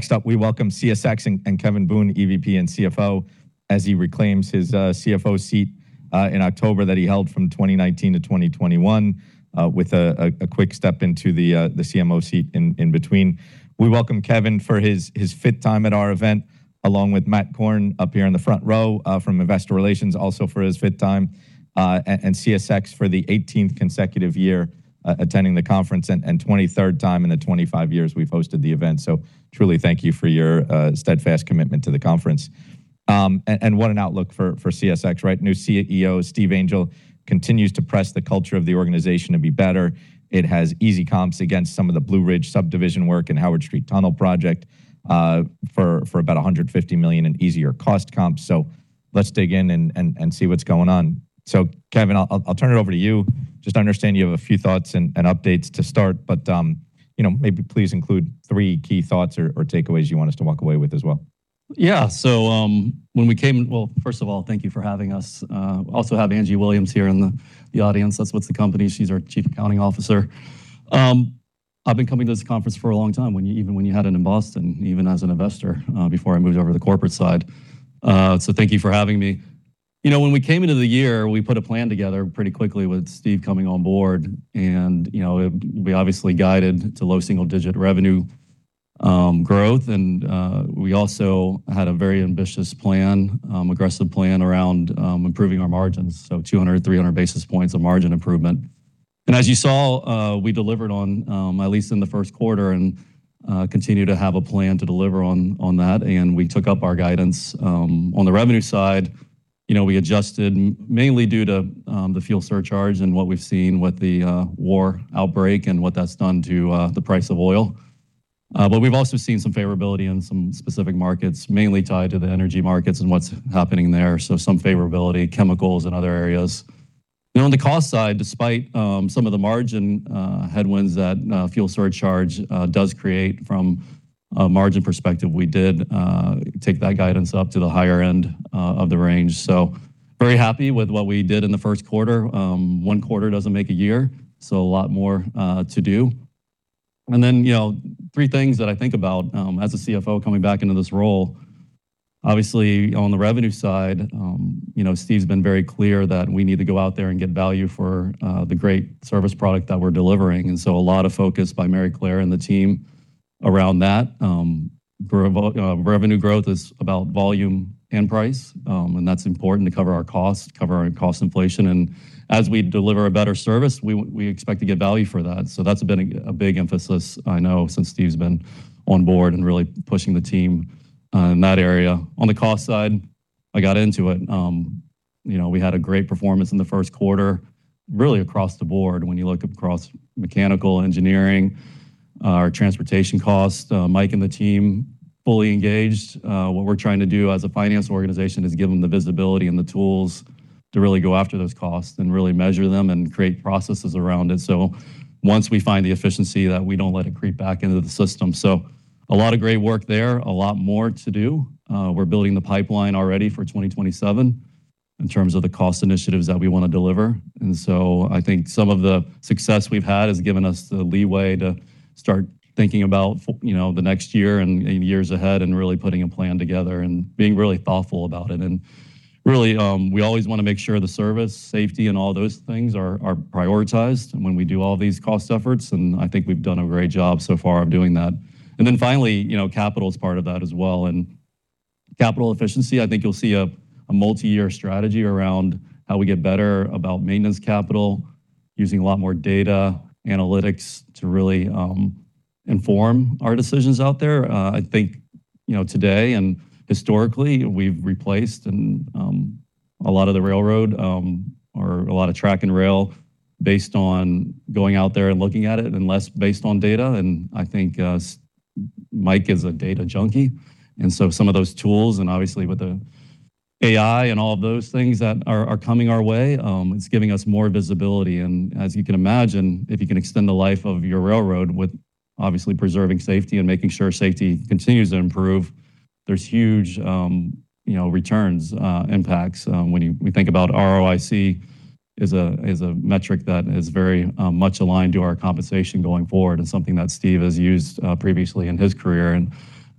B: Yeah.
A: Good morning. Next up, we welcome CSX and Kevin Boone, EVP and CFO, as he reclaims his CFO seat in October that he held from 2019-2021, with a quick step into the CMO seat in between. We welcome Kevin for his 5th time at our event, along with Matthew Korn up here in the front row, from Investor Relations, also for his 5th time, and CSX for the 18th consecutive year attending the conference and 23rd time in the 25 years we've hosted the event. Truly thank you for your steadfast commitment to the conference. What an outlook for CSX, right? New CEO Steve Angel continues to press the culture of the organization to be better. It has easy comps against some of the Blue Ridge Subdivision work and Howard Street Tunnel project for about 150 million in easier cost comps. Let's dig in and see what's going on. Kevin, I'll turn it over to you. Just understand you have a few thoughts and updates to start, but, you know, maybe please include three key thoughts or takeaways you want us to walk away with as well.
D: Yeah. Well, first of all, thank you for having us. Also have Angie Williams here in the audience. That's with the company. She's our Chief Accounting Officer. I've been coming to this conference for a long time, even when you had it in Boston, even as an investor, before I moved over to the corporate side. Thank you for having me. You know, when we came into the year, we put a plan together pretty quickly with Steve coming on Board and, you know, we obviously guided to low single-digit revenue growth and, we also had a very ambitious plan, aggressive plan around improving our margins. 200, 300 basis points of margin improvement. As you saw, we delivered on, at least in the first quarter and continue to have a plan to deliver on that. We took up our guidance on the revenue side. You know, we adjusted mainly due to the fuel surcharge and what we've seen with the war outbreak and what that's done to the price of oil. We've also seen some favorability in some specific markets, mainly tied to the energy markets and what's happening there, some favorability, chemicals and other areas. You know, on the cost side, despite some of the margin headwinds that fuel surcharge does create from a margin perspective, we did take that guidance up to the higher end of the range. Very happy with what we did in the first quarter. One quarter doesn't make a year, a lot more to do. You know, three things that I think about as a CFO coming back into this role, obviously on the revenue side, you know, Steve's been very clear that we need to go out there and get value for the great service product that we're delivering. A lot of focus by Maryclare and the team around that. Revenue growth is about volume and price, that's important to cover our costs, cover our cost inflation. As we deliver a better service, we expect to get value for that. That's been a big emphasis, I know, since Steve's been on board and really pushing the team in that area. On the cost side, I got into it. You know, we had a great performance in the first quarter, really across the board when you look across mechanical engineering, our transportation cost. Mike and the team fully engaged. What we're trying to do as a finance organization is give them the visibility and the tools to really go after those costs and really measure them and create processes around it. Once we find the efficiency that we don't let it creep back into the system. A lot of great work there, a lot more to do. We're building the pipeline already for 2027 in terms of the cost initiatives that we want to deliver. I think some of the success we've had has given us the leeway to start thinking about you know, the next year and years ahead and really putting a plan together and being really thoughtful about it. Really, we always want to make sure the service, safety, and all those things are prioritized when we do all these cost efforts. I think we've done a great job so far of doing that. Finally, you know, capital is part of that as well. Capital efficiency, I think you'll see a multi-year strategy around how we get better about maintenance capital, using a lot more data analytics to really inform our decisions out there. I think, you know, today and historically, we've replaced and a lot of the railroad, or a lot of track and rail based on going out there and looking at it and less based on data. I think Mike is a data junkie, and so some of those tools, and obviously with the AI and all of those things that are coming our way, it's giving us more visibility. As you can imagine, if you can extend the life of your railroad with obviously preserving safety and making sure safety continues to improve. There's huge, you know, returns, impacts, when we think about ROIC is a, is a metric that is very much aligned to our compensation going forward and something that Steve has used previously in his career, and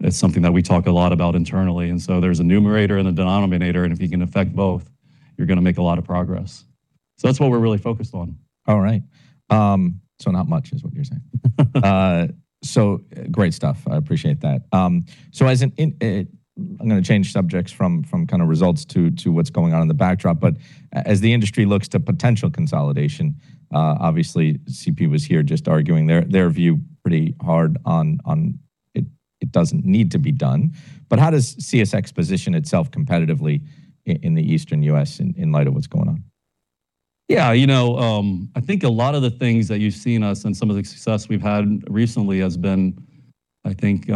D: it's something that we talk a lot about internally. There's a numerator and denominator, and if you can affect both, you're gonna make a lot of progress. That's what we're really focused on.
A: All right. Not much is what you're saying. Great stuff. I appreciate that. As an in, I'm gonna change subjects from kind of results to what's going on in the backdrop. As the industry looks to potential consolidation, obviously CP was here just arguing their view pretty hard on it doesn't need to be done. How does CSX position itself competitively in the Eastern U.S. in light of what's going on?
D: Yeah, you know, I think a lot of the things that you've seen us and some of the success we've had recently has been, I think,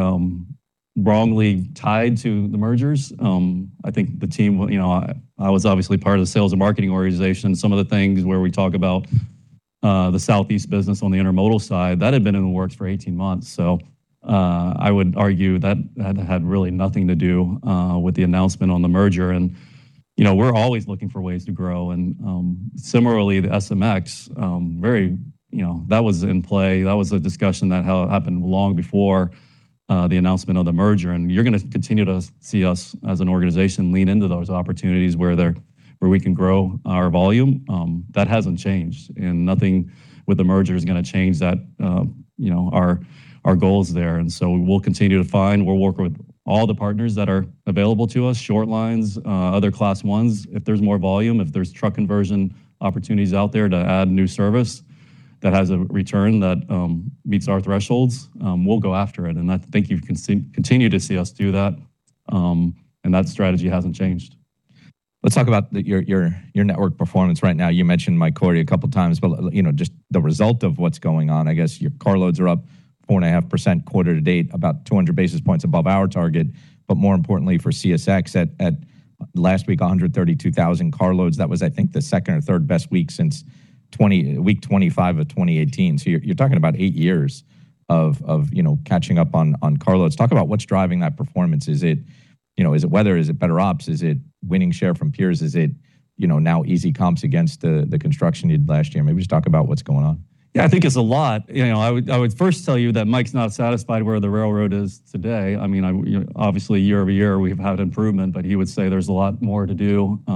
D: wrongly tied to the mergers. I think the team, well, you know, I was obviously part of the sales and marketing organization. Some of the things where we talk about the southeast business on the intermodal side, that had been in the works for 18 months. I would argue that had really nothing to do with the announcement on the merger. You know, we're always looking for ways to grow. Similarly, the SMX, very, you know, that was in play. That was a discussion that happened long before the announcement of the merger. You're gonna continue to see us as an organization lean into those opportunities where we can grow our volume. That hasn't changed, and nothing with the merger is gonna change that, you know, our goals there. We will continue to find, we'll work with all the partners that are available to us, short lines, other Class ones. If there's more volume, if there's truck conversion opportunities out there to add new service that has a return that meets our thresholds, we'll go after it. I think you can continue to see us do that, and that strategy hasn't changed.
A: Let's talk about your, your network performance right now. You mentioned Mike Cory a couple times, you know, just the result of what's going on. I guess your carloads are up 4.5% quarter-to-date, about 200 basis points above our target. More importantly for CSX, last week, 132,000 carloads. That was, I think, the second or third best week since week 25 of 2018. You're talking about 8 years of, you know, catching up on carloads. Talk about what's driving that performance. Is it, you know, is it weather? Is it better ops? Is it winning share from peers? Is it, you know, now easy comps against the construction you did last year? Maybe just talk about what's going on.
D: I think it's a lot. You know, I would first tell you that Mike's not satisfied where the railroad is today. I mean, obviously, year-over-year we've had improvement, but he would say there's a lot more to do. A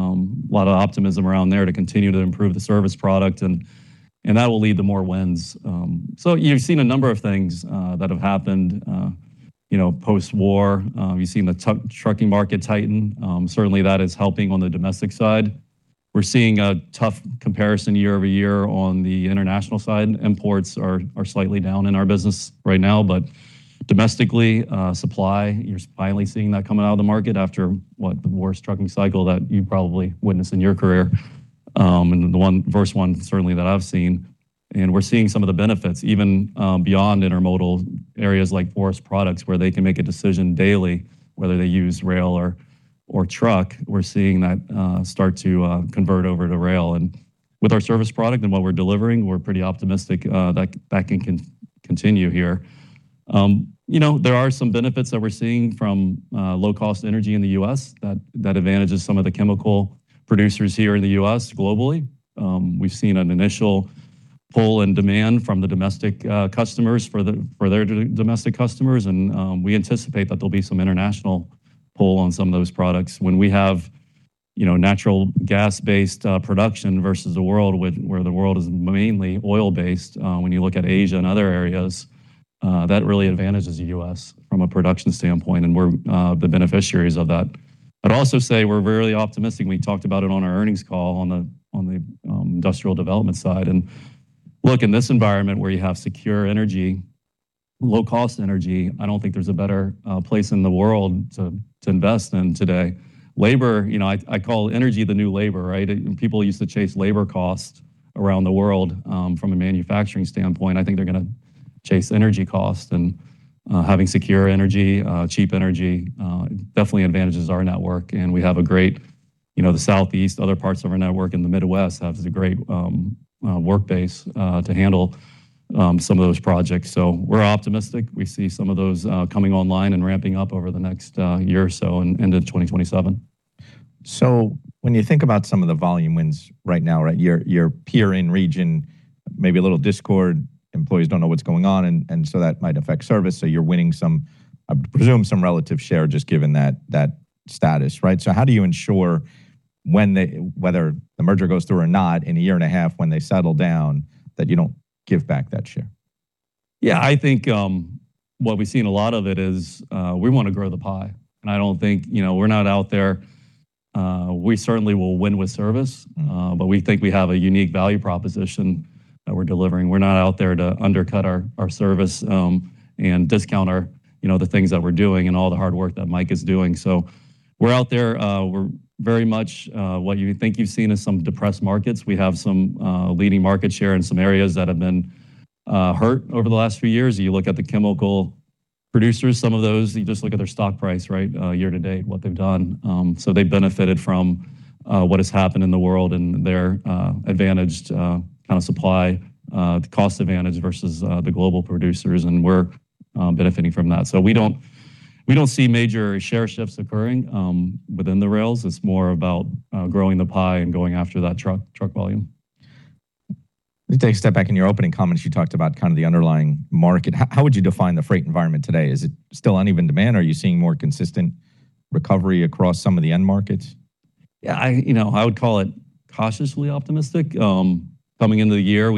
D: lot of optimism around there to continue to improve the service product and that will lead to more wins. You've seen a number of things that have happened, you know, post-war. You've seen the trucking market tighten. Certainly that is helping on the domestic side. We're seeing a tough comparison year-over-year on the international side. Imports are slightly down in our business right now, but domestically, supply, you're finally seeing that coming out of the market after, what, the worst trucking cycle that you probably witnessed in your career. The first one certainly that I've seen. We're seeing some of the benefits even beyond intermodal areas like forest products where they can make a decision daily whether they use rail or truck. We're seeing that start to convert over to rail. With our service product and what we're delivering, we're pretty optimistic that can continue here. You know, there are some benefits that we're seeing from low cost energy in the U.S. that advantages some of the chemical producers here in the U.S. globally. We've seen an initial pull and demand from the domestic customers for their domestic customers and we anticipate that there'll be some international pull on some of those products. When we have, you know, natural gas-based production versus the world where the world is mainly oil-based, when you look at Asia and other areas, that really advantages the U.S. from a production standpoint, and we're the beneficiaries of that. I'd also say we're very optimistic. We talked about it on our earnings call on the industrial development side. Look, in this environment where you have secure energy, low cost energy, I don't think there's a better place in the world to invest in today. Labor, you know, I call energy the new labor, right? People used to chase labor cost around the world. From a manufacturing standpoint, I think they're gonna chase energy cost and having secure energy, cheap energy, definitely advantages our network. We have a great, you know, the Southeast, other parts of our network in the Midwest have the great work base to handle some of those projects. We're optimistic. We see some of those coming online and ramping up over the next year or so and into 2027.
A: When you think about some of the volume wins right now, right? Your peer in region, maybe a little discord, employees don't know what's going on, and so that might affect service. You're winning some, I presume, some relative share just given that status, right? How do you ensure when whether the merger goes through or not in a year and a half when they settle down, that you don't give back that share?
D: Yeah, I think, what we've seen a lot of it is, we wanna grow the pie. I don't think, you know, we're not out there. We certainly will win with service, but we think we have a unique value proposition that we're delivering. We're not out there to undercut our service, and discount our, you know, the things that we're doing and all the hard work that Mike is doing. We're out there. We're very much, what you think you've seen is some depressed markets. We have some, leading market share in some areas that have been, hurt over the last few years. You look at the chemical producers, some of those, you just look at their stock price, right? Year-to-date, what they've done. They benefited from what has happened in the world and their advantaged kind of supply cost advantage versus the global producers, and we're benefiting from that. We don't, we don't see major share shifts occurring within the rails. It's more about growing the pie and going after that truck volume.
A: Let me take a step back. In your opening comments, you talked about kind of the underlying market. How would you define the freight environment today? Is it still uneven demand or are you seeing more consistent recovery across some of the end markets?
D: Yeah, I, you know, I would call it cautiously optimistic. Coming into the year,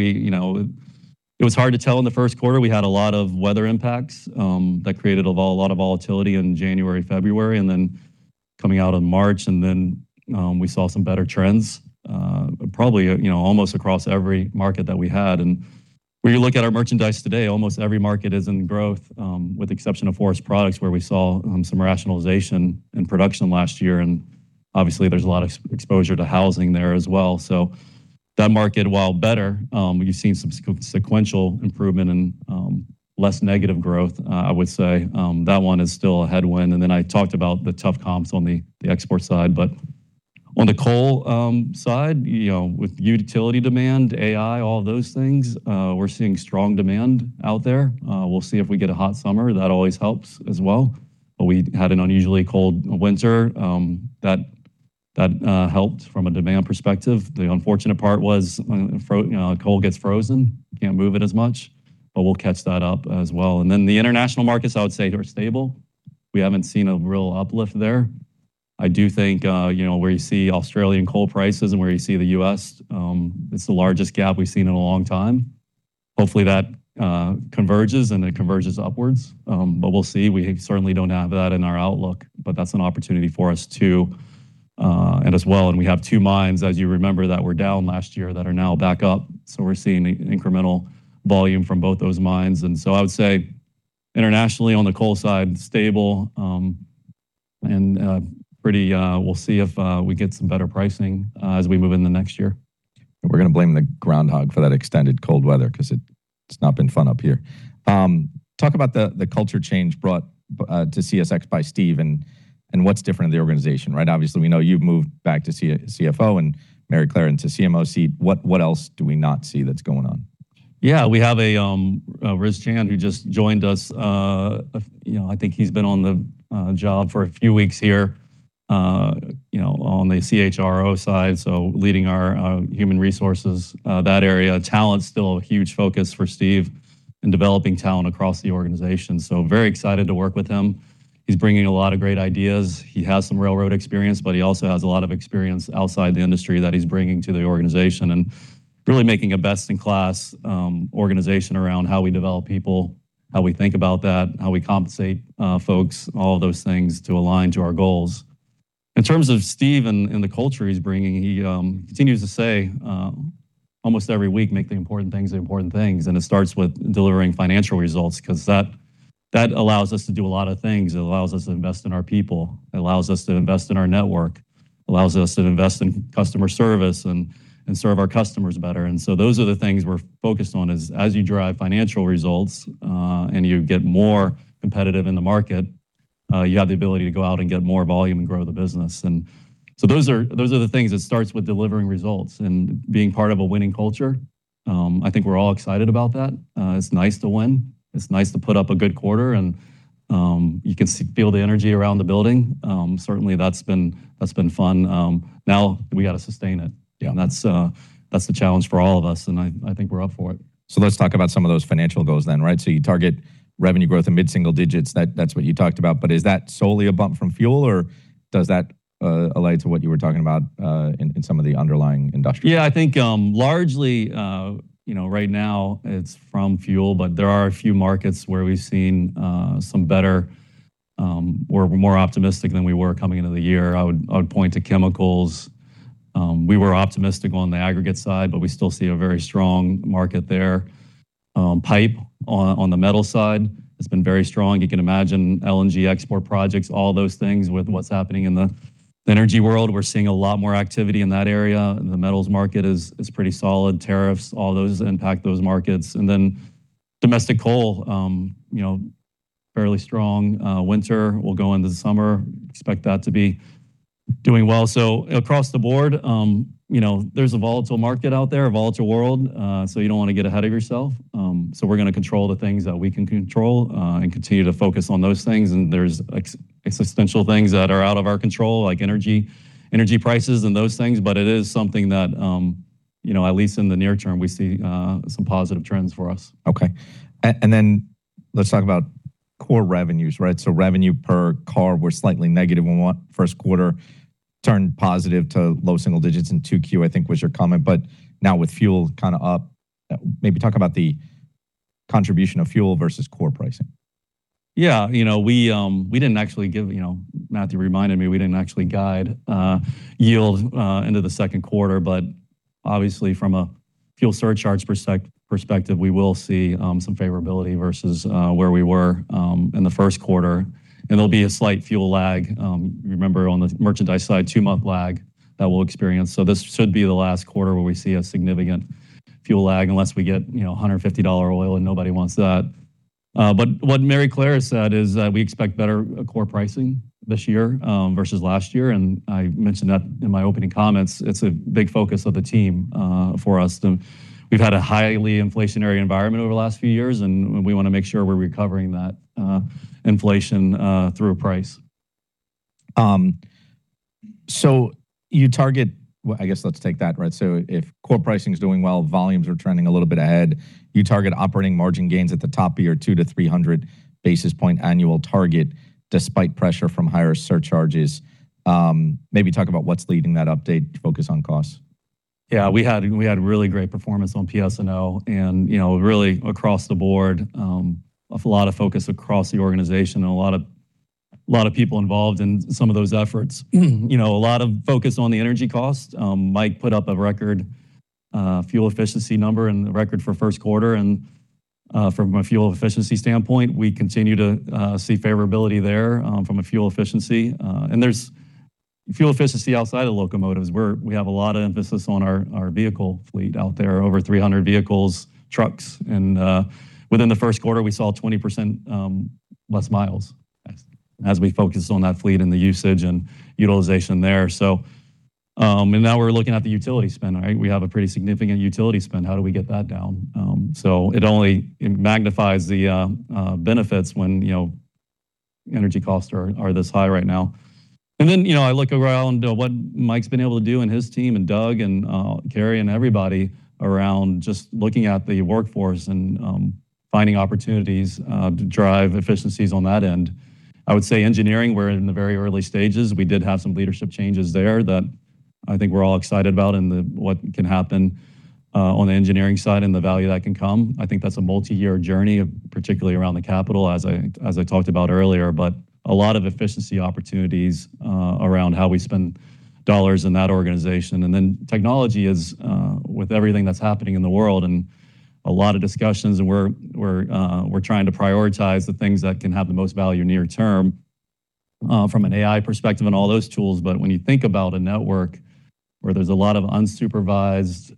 D: it was hard to tell in the first quarter. We had a lot of weather impacts that created a lot of volatility in January, February, and then coming out in March. We saw some better trends, you know, almost across every market that we had. When you look at our merchandise today, almost every market is in growth, with the exception of forest products, where we saw some rationalization in production last year, and obviously there's a lot of exposure to housing there as well. That market, while better, you've seen some sequential improvement and less negative growth, I would say. That one is still a headwind. I talked about the tough comps on the export side. On the coal side, you know, with utility demand, AI, all those things, we're seeing strong demand out there. We'll see if we get a hot summer. That always helps as well. We had an unusually cold winter that helped from a demand perspective. The unfortunate part was when, you know, coal gets frozen, can't move it as much. We'll catch that up as well. The international markets I would say are stable. We haven't seen a real uplift there. I do think, you know, where you see Australian coal prices and where you see the U.S., it's the largest gap we've seen in a long time. Hopefully, that converges and it converges upwards. We'll see. We certainly don't have that in our outlook, that's an opportunity for us to and as well. We have 2 mines, as you remember, that were down last year that are now back up. We're seeing incremental volume from both those mines. I would say internationally on the coal side, stable, and pretty We'll see if we get some better pricing as we move into next year.
A: We're gonna blame the groundhog for that extended cold weather because it's not been fun up here. Talk about the culture change brought to CSX by Steve and what's different in the organization, right? Obviously, we know you've moved back to CFO and Maryclare into CMO seat. What else do we not see that's going on?
D: Yeah, we have a Riz Chand who just joined us. You know, I think he's been on the job for a few weeks here, you know, on the CHRO side, so leading our human resources, that area. Talent's still a huge focus for Steve and developing talent across the organization. Very excited to work with him. He's bringing a lot of great ideas. He has some railroad experience, but he also has a lot of experience outside the industry that he's bringing to the organization and really making a best-in-class organization around how we develop people, how we think about that, how we compensate folks, all of those things to align to our goals. In terms of Steve and the culture he's bringing, he continues to say almost every week, "Make the important things the important things." It starts with delivering financial results because that allows us to do a lot of things. It allows us to invest in our people. It allows us to invest in our network. Allows us to invest in customer service and serve our customers better. Those are the things we're focused on is as you drive financial results and you get more competitive in the market, you have the ability to go out and get more volume and grow the business. Those are the things. It starts with delivering results and being part of a winning culture. I think we're all excited about that. It's nice to win. It's nice to put up a good quarter and you can feel the energy around the building. Certainly that's been fun. Now we got to sustain it.
A: Yeah.
D: That's the challenge for all of us, and I think we're up for it.
A: Let's talk about some of those financial goals then, right? You target revenue growth in mid-single digits. That's what you talked about. Is that solely a bump from fuel or does that allay to what you were talking about in some of the underlying industries?
D: Yeah, I think, largely, you know, right now it's from fuel, but there are a few markets where we've seen some better, we're more optimistic than we were coming into the year. I would point to chemicals. We were optimistic on the aggregate side, but we still see a very strong market there. Pipe on the metal side has been very strong. You can imagine LNG export projects, all those things with what's happening in the energy world. We're seeing a lot more activity in that area, and the metals market is pretty solid. Tariffs, all those impact those markets. Domestic coal, you know, fairly strong. Winter will go into the summer. Expect that to be doing well. Across the board, you know, there's a volatile market out there, a volatile world, you don't want to get ahead of yourself. We're going to control the things that we can control and continue to focus on those things. There's existential things that are out of our control, like energy prices and those things. It is something that, you know, at least in the near term, we see some positive trends for us.
A: Okay. let's talk about core revenues, right? revenue per car were slightly negative in what first quarter, turned positive to low single digits in two Q, I think was your comment. now with fuel kind of up, maybe talk about the contribution of fuel versus core pricing.
D: Yeah, you know, Matthew reminded me we didn't actually guide yield into the second quarter. Obviously from a fuel surcharges perspective, we will see some favorability versus where we were in the first quarter. There'll be a slight fuel lag. Remember on the merchandise side, two-month lag that we'll experience. This should be the last quarter where we see a significant fuel lag, unless we get, you know, 150 dollar oil, and nobody wants that. What Maryclare said is that we expect better core pricing this year versus last year, and I mentioned that in my opening comments. It's a big focus of the team for us. We've had a highly inflationary environment over the last few years, and we want to make sure we're recovering that inflation through price.
A: You target. Well, I guess let's take that, right? If core pricing is doing well, volumes are trending a little bit ahead, you target operating margin gains at the top of your 200-300 basis point annual target despite pressure from higher surcharges. Maybe talk about what's leading that update focus on costs.
D: Yeah, we had really great performance on PS&O and, you know, really across the board, a lot of focus across the organization and a lot of people involved in some of those efforts. You know, a lot of focus on the energy cost. Mike put up a record fuel efficiency number and a record for first quarter. From a fuel efficiency standpoint, we continue to see favorability there from a fuel efficiency. There's fuel efficiency outside of locomotives. We have a lot of emphasis on our vehicle fleet out there, over 300 vehicles, trucks. Within the first quarter, we saw 20% less miles as we focus on that fleet and the usage and utilization there. Now we're looking at the utility spend, right? We have a pretty significant utility spend. How do we get that down? It only magnifies the benefits when, you know, energy costs are this high right now. You know, I look around what Mike's been able to do and his team and Doug and Gary and everybody around just looking at the workforce and finding opportunities to drive efficiencies on that end. I would say engineering, we're in the very early stages. We did have some leadership changes there that I think we're all excited about and what can happen on the engineering side and the value that can come. I think that's a multi-year journey, particularly around the capital as I talked about earlier. A lot of efficiency opportunities around how we spend dollars in that organization. Technology is with everything that's happening in the world and a lot of discussions and we're trying to prioritize the things that can have the most value near term from an AI perspective and all those tools. When you think about a network where there's a lot of unsupervised,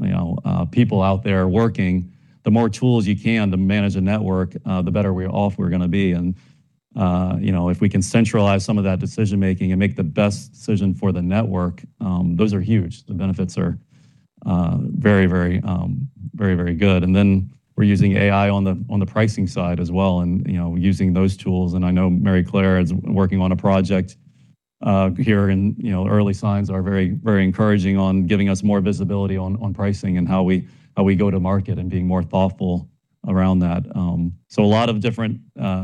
D: you know, people out there working, the more tools you can to manage a network, the better we off we're gonna be. You know, if we can centralize some of that decision-making and make the best decision for the network, those are huge. The benefits are very, very, very, very good. Then we're using AI on the pricing side as well and, you know, using those tools. I know Maryclare is working on a project here and, you know, early signs are very, very encouraging on giving us more visibility on pricing and how we go to market and being more thoughtful around that. A lot of different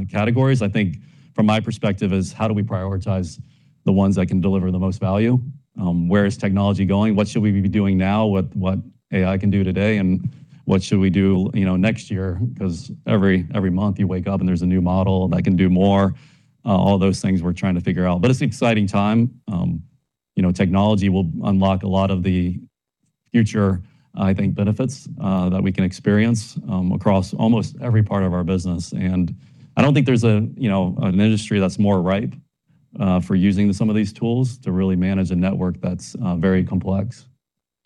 D: categories. I think from my perspective is how do we prioritize the ones that can deliver the most value? Where is technology going? What should we be doing now? What AI can do today? What should we do, you know, next year? Because every month you wake up and there's a new model that can do more. All those things we're trying to figure out. It's an exciting time. You know, technology will unlock a lot of the future, I think, benefits, that we can experience, across almost every part of our business. I don't think there's a, you know, an industry that's more ripe, for using some of these tools to really manage a network that's, very complex.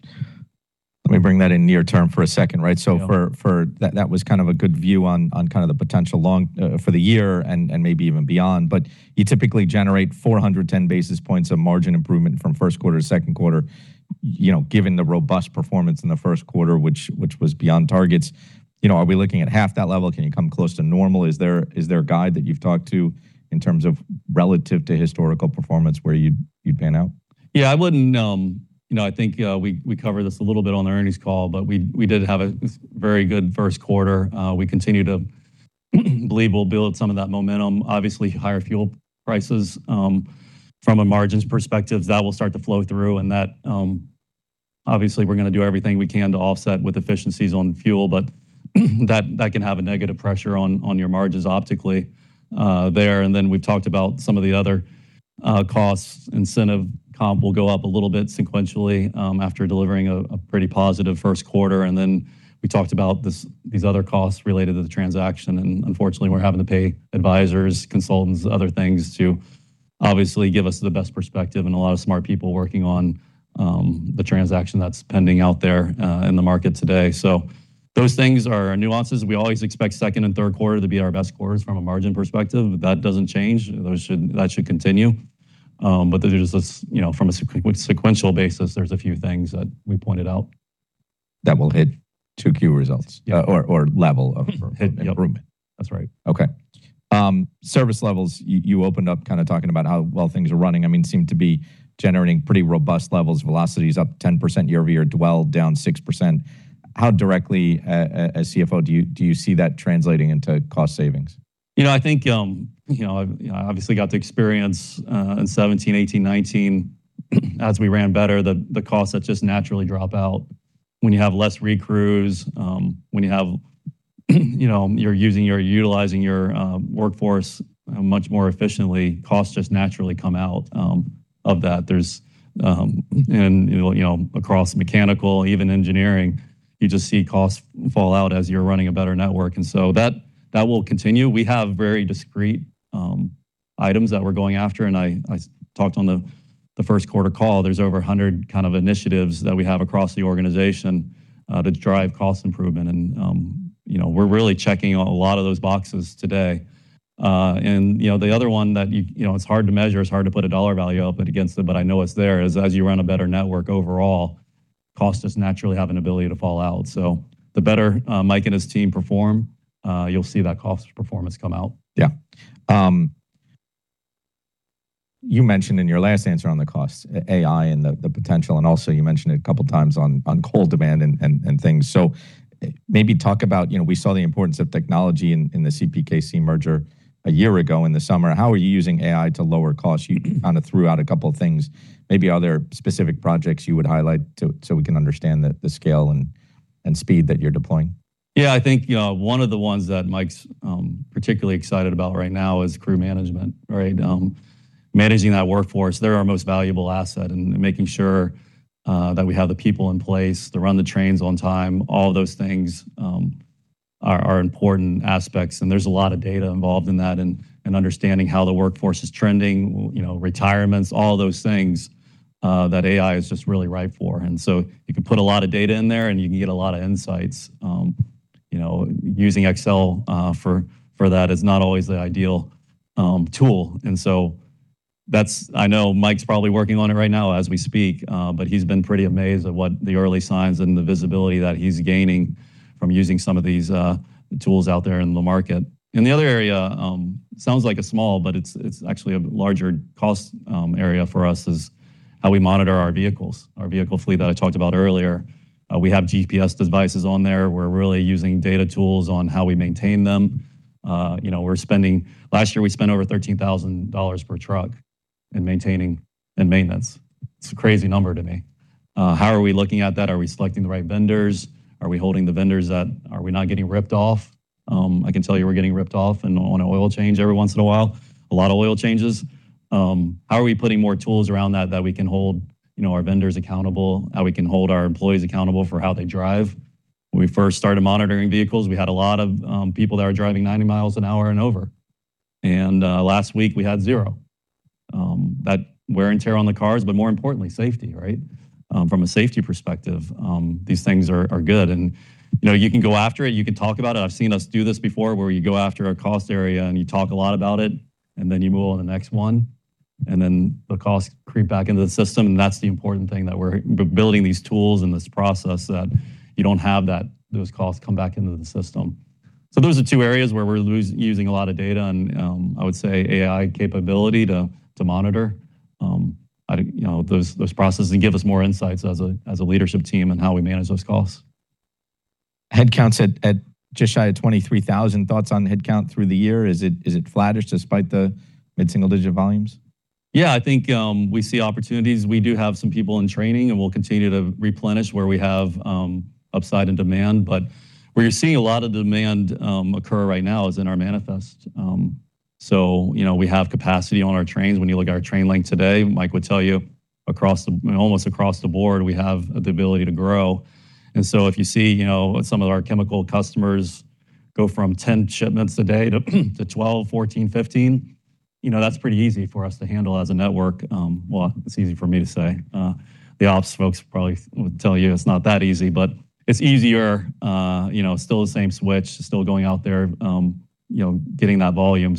A: Let me bring that in near term for a second, right?
D: Yeah.
A: That was kind of a good view on kind of the potential long for the year and maybe even beyond. You typically generate 410 basis points of margin improvement from first quarter to second quarter. You know, given the robust performance in the first quarter, which was beyond targets. You know, are we looking at half that level? Can you come close to normal? Is there a guide that you've talked to in terms of relative to historical performance where you'd pan out?
D: Yeah, I wouldn't, you know, I think, we covered this a little bit on the earnings call, but we did have a very good first quarter. We continue to believe we'll build some of that momentum. Obviously, higher fuel prices, from a margins perspective, that will start to flow through and that, obviously, we're gonna do everything we can to offset with efficiencies on fuel, but that can have a negative pressure on your margins optically there. We've talked about some of the other costs. Incentive comp will go up a little bit sequentially after delivering a pretty positive first quarter. We talked about these other costs related to the transaction. Unfortunately, we're having to pay advisors, consultants, other things to obviously give us the best perspective and a lot of smart people working on the transaction that's pending out there in the market today. Those things are nuances. We always expect second and third quarter to be our best quarters from a margin perspective. That doesn't change. That should continue. There's just this, you know, from a sequential basis, there's a few things that we pointed out.
A: That will hit 2Q results.
D: Yeah.
A: Level of improvement.
D: Hit, yep. That's right.
A: Okay. Service levels, you opened up kind of talking about how well things are running. I mean, seem to be generating pretty robust levels. Velocity is up 10% year-over-year. Dwell down 6%. How directly, as CFO do you see that translating into cost savings?
D: You know, I think, you know, I've, you know, obviously got the experience in 2017, 2018, 2019 as we ran better, the costs that just naturally drop out when you have less recrews, when you have you know, you're using, you're utilizing your workforce much more efficiently, costs just naturally come out of that. There's, and, you know, you know, across mechanical, even engineering. You just see costs fall out as you're running a better network. That, that will continue. We have very discreet items that we're going after, and I talked on the first quarter call, there's over a 100 kind of initiatives that we have across the organization to drive cost improvement. You know, we're really checking a lot of those boxes today. You know, the other one that you know, it's hard to measure, it's hard to put a dollar value up against it, but I know it's there, is as you run a better network overall, costs just naturally have an ability to fall out. The better, Mike and his team perform, you'll see that cost performance come out.
A: You mentioned in your last answer on the cost, AI and the potential, and also you mentioned it a couple of times on coal demand and things. Maybe talk about, you know, we saw the importance of technology in the CPKC merger a year ago in the summer. How are you using AI to lower costs? You kind of threw out a couple of things. Maybe are there specific projects you would highlight so we can understand the scale and speed that you're deploying?
D: Yeah, I think, you know, one of the ones that Mike's particularly excited about right now is crew management, right? Managing that workforce, they're our most valuable asset, and making sure that we have the people in place to run the trains on time, all those things are important aspects. There's a lot of data involved in that and understanding how the workforce is trending, you know, retirements, all those things that AI is just really right for. You can put a lot of data in there, and you can get a lot of insights. You know, using Excel for that is not always the ideal tool. I know Mike's probably working on it right now as we speak, but he's been pretty amazed at what the early signs and the visibility that he's gaining from using some of these tools out there in the market. The other area, sounds like a small, but it's actually a larger cost area for us, is how we monitor our vehicles, our vehicle fleet that I talked about earlier. We have GPS devices on there. We're really using data tools on how we maintain them. You know, last year, we spent over 13,000 dollars per truck in maintenance. It's a crazy number to me. How are we looking at that? Are we selecting the right vendors? Are we not getting ripped off? I can tell you we're getting ripped off on an oil change every once in a while. A lot of oil changes. How are we putting more tools around that we can hold, you know, our vendors accountable? How we can hold our employees accountable for how they drive? When we first started monitoring vehicles, we had a lot of people that were driving 90 miles an hour and over. Last week, we had 0. That wear and tear on the cars, but more importantly, safety, right? From a safety perspective, these things are good. You know, you can go after it. You can talk about it. I've seen us do this before, where you go after a cost area and you talk a lot about it, and then you move on the next one, and then the costs creep back into the system. That's the important thing that we're building these tools and this process that you don't have that, those costs come back into the system. Those are 2 areas where we're using a lot of data and, I would say AI capability to monitor, you know, those processes and give us more insights as a leadership team in how we manage those costs.
A: Headcount's at just shy of 23,000. Thoughts on headcount through the year. Is it flattish despite the mid-single-digit volumes?
D: I think we see opportunities. We do have some people in training, and we'll continue to replenish where we have upside in demand. Where you're seeing a lot of demand occur right now is in our manifest. You know, we have capacity on our trains. When you look at our train length today, Mike would tell you almost across the board, we have the ability to grow. If you see, you know, some of our chemical customers go from 10 shipments a day to 12, 14, 15, you know, that's pretty easy for us to handle as a network. Well, it's easy for me to say. The ops folks probably would tell you it's not that easy, but it's easier. You know, still the same switch, still going out there, you know, getting that volume.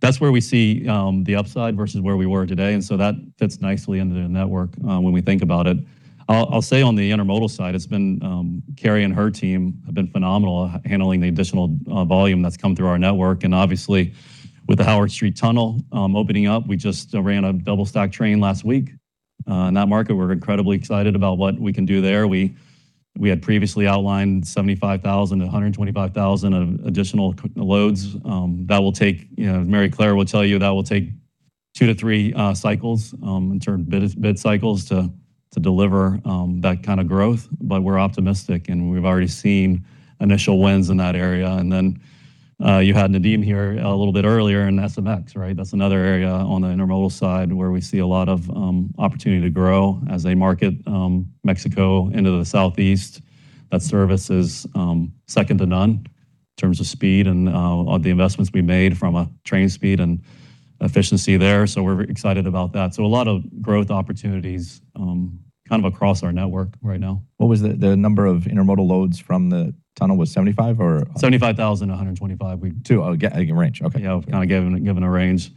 D: That's where we see the upside versus where we were today, that fits nicely into the network when we think about it. I'll say on the intermodal side, it's been Carrie and her team have been phenomenal handling the additional volume that's come through our network. Obviously, with the Howard Street Tunnel opening up, we just ran a double stack train last week. In that market, we're incredibly excited about what we can do there. We had previously outlined 75,000-125,000 of additional loads. You know, Maryclare will tell you that will take 2-3 cycles in term bid cycles to deliver that kind of growth. We're optimistic, and we've already seen initial wins in that area. Then, you had Nadeem here a little bit earlier in SMX, right? That's another area on the intermodal side where we see a lot of opportunity to grow as they market Mexico into the southeast. That service is second to none in terms of speed and the investments we made from a train speed and efficiency there. We're excited about that. A lot of growth opportunities kind of across our network right now.
A: What was the number of intermodal loads from the tunnel was 75 or?
D: 75,025. We-
A: Two. Oh, yeah, you can range. Okay.
D: Yeah. I've kind of given a range.